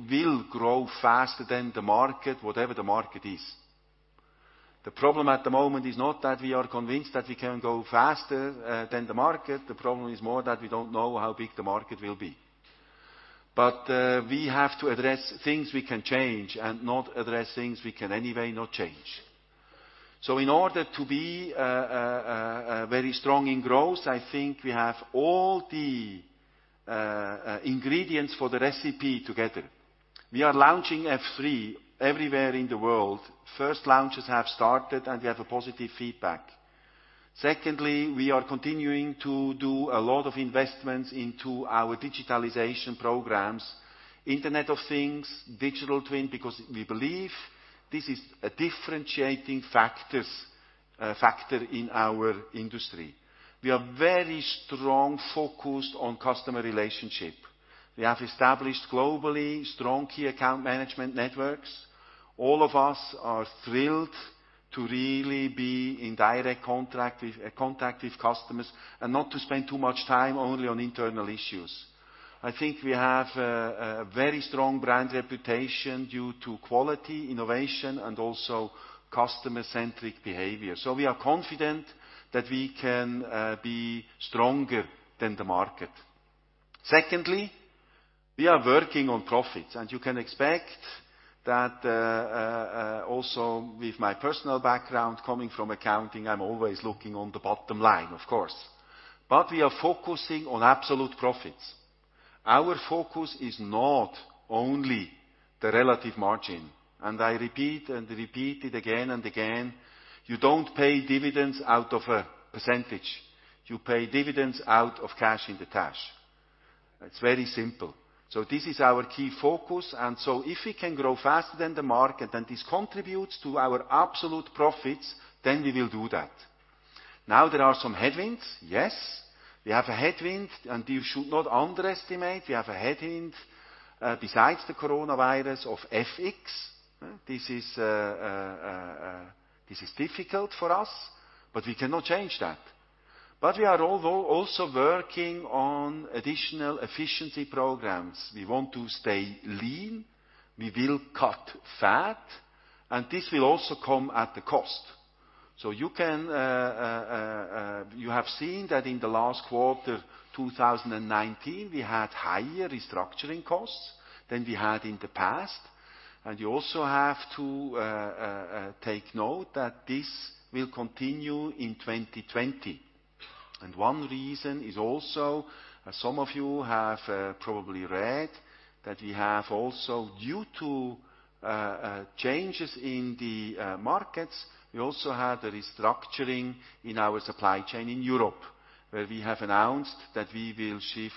will grow faster than the market, whatever the market is. The problem at the moment is not that we are convinced that we can go faster than the market, the problem is more that we don't know how big the market will be. We have to address things we can change and not address things we can anyway not change. In order to be very strong in growth, I think we have all the ingredients for the recipe together. We are launching F3 everywhere in the world. First launches have started, and we have a positive feedback. Secondly, we are continuing to do a lot of investments into our digitalization programs, Internet of Things, digital twin, because we believe this is a differentiating factor in our industry. We are very strong focused on customer relationship. We have established globally strong key account management networks. All of us are thrilled to really be in direct contact with customers and not to spend too much time only on internal issues. I think we have a very strong brand reputation due to quality, innovation, and also customer-centric behavior. We are confident that we can be stronger than the market. Secondly, we are working on profits, and you can expect that also with my personal background coming from accounting, I'm always looking on the bottom line, of course. We are focusing on absolute profits. Our focus is not only the relative margin. I repeat it again and again, you don't pay dividends out of a percentage. You pay dividends out of cash. It's very simple. This is our key focus. If we can grow faster than the market, this contributes to our absolute profits, we will do that. There are some headwinds. Yes. We have a headwind. You should not underestimate, we have a headwind, besides the coronavirus, of FX. This is difficult for us. We cannot change that. We are also working on additional efficiency programs. We want to stay lean, we will cut fat. This will also come at a cost. You have seen that in the last quarter 2019, we had higher restructuring costs than we had in the past. You also have to take note that this will continue in 2020. One reason is also, as some of you have probably read, that we have also, due to changes in the markets, we also had a restructuring in our supply chain in Europe, where we have announced that we will shift,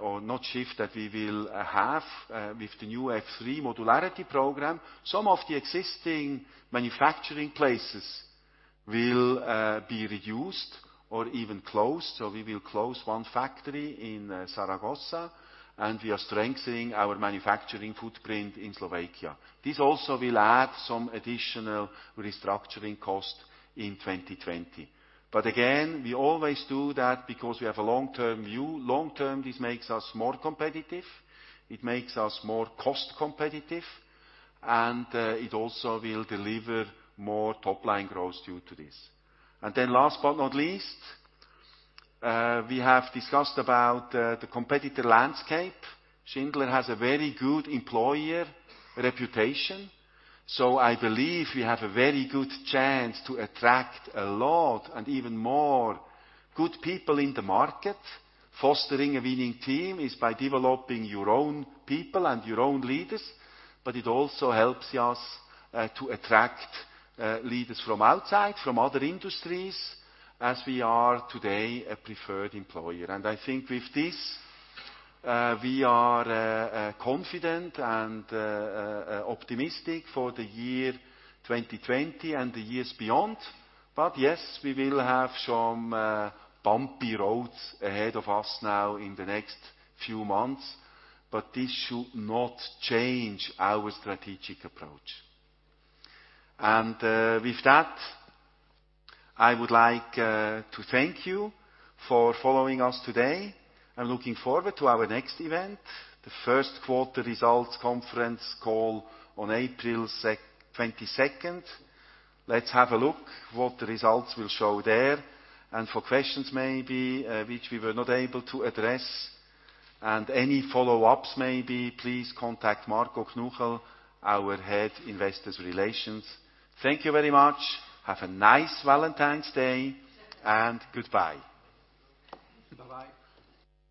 or not shift, that we will have with the new F3 modularity program, some of the existing manufacturing places will be reduced or even closed. We will close one factory in Zaragoza, and we are strengthening our manufacturing footprint in Slovakia. This also will add some additional restructuring cost in 2020. Again, we always do that because we have a long-term view. Long term, this makes us more competitive, it makes us more cost competitive, and it also will deliver more top-line growth due to this. Last but not least, we have discussed about the competitor landscape. Schindler has a very good employer reputation. I believe we have a very good chance to attract a lot and even more good people in the market. Fostering a winning team is by developing your own people and your own leaders, but it also helps us to attract leaders from outside, from other industries, as we are today a preferred employer. I think with this, we are confident and optimistic for the year 2020 and the years beyond. Yes, we will have some bumpy roads ahead of us now in the next few months, but this should not change our strategic approach. With that, I would like to thank you for following us today and looking forward to our next event, the first quarter results conference call on April 22nd. Let's have a look what the results will show there. For questions maybe which we were not able to address and any follow-ups maybe, please contact Marco Knuchel, our Head, Investor Relations. Thank you very much. Have a nice Valentine's Day, and goodbye. Bye-bye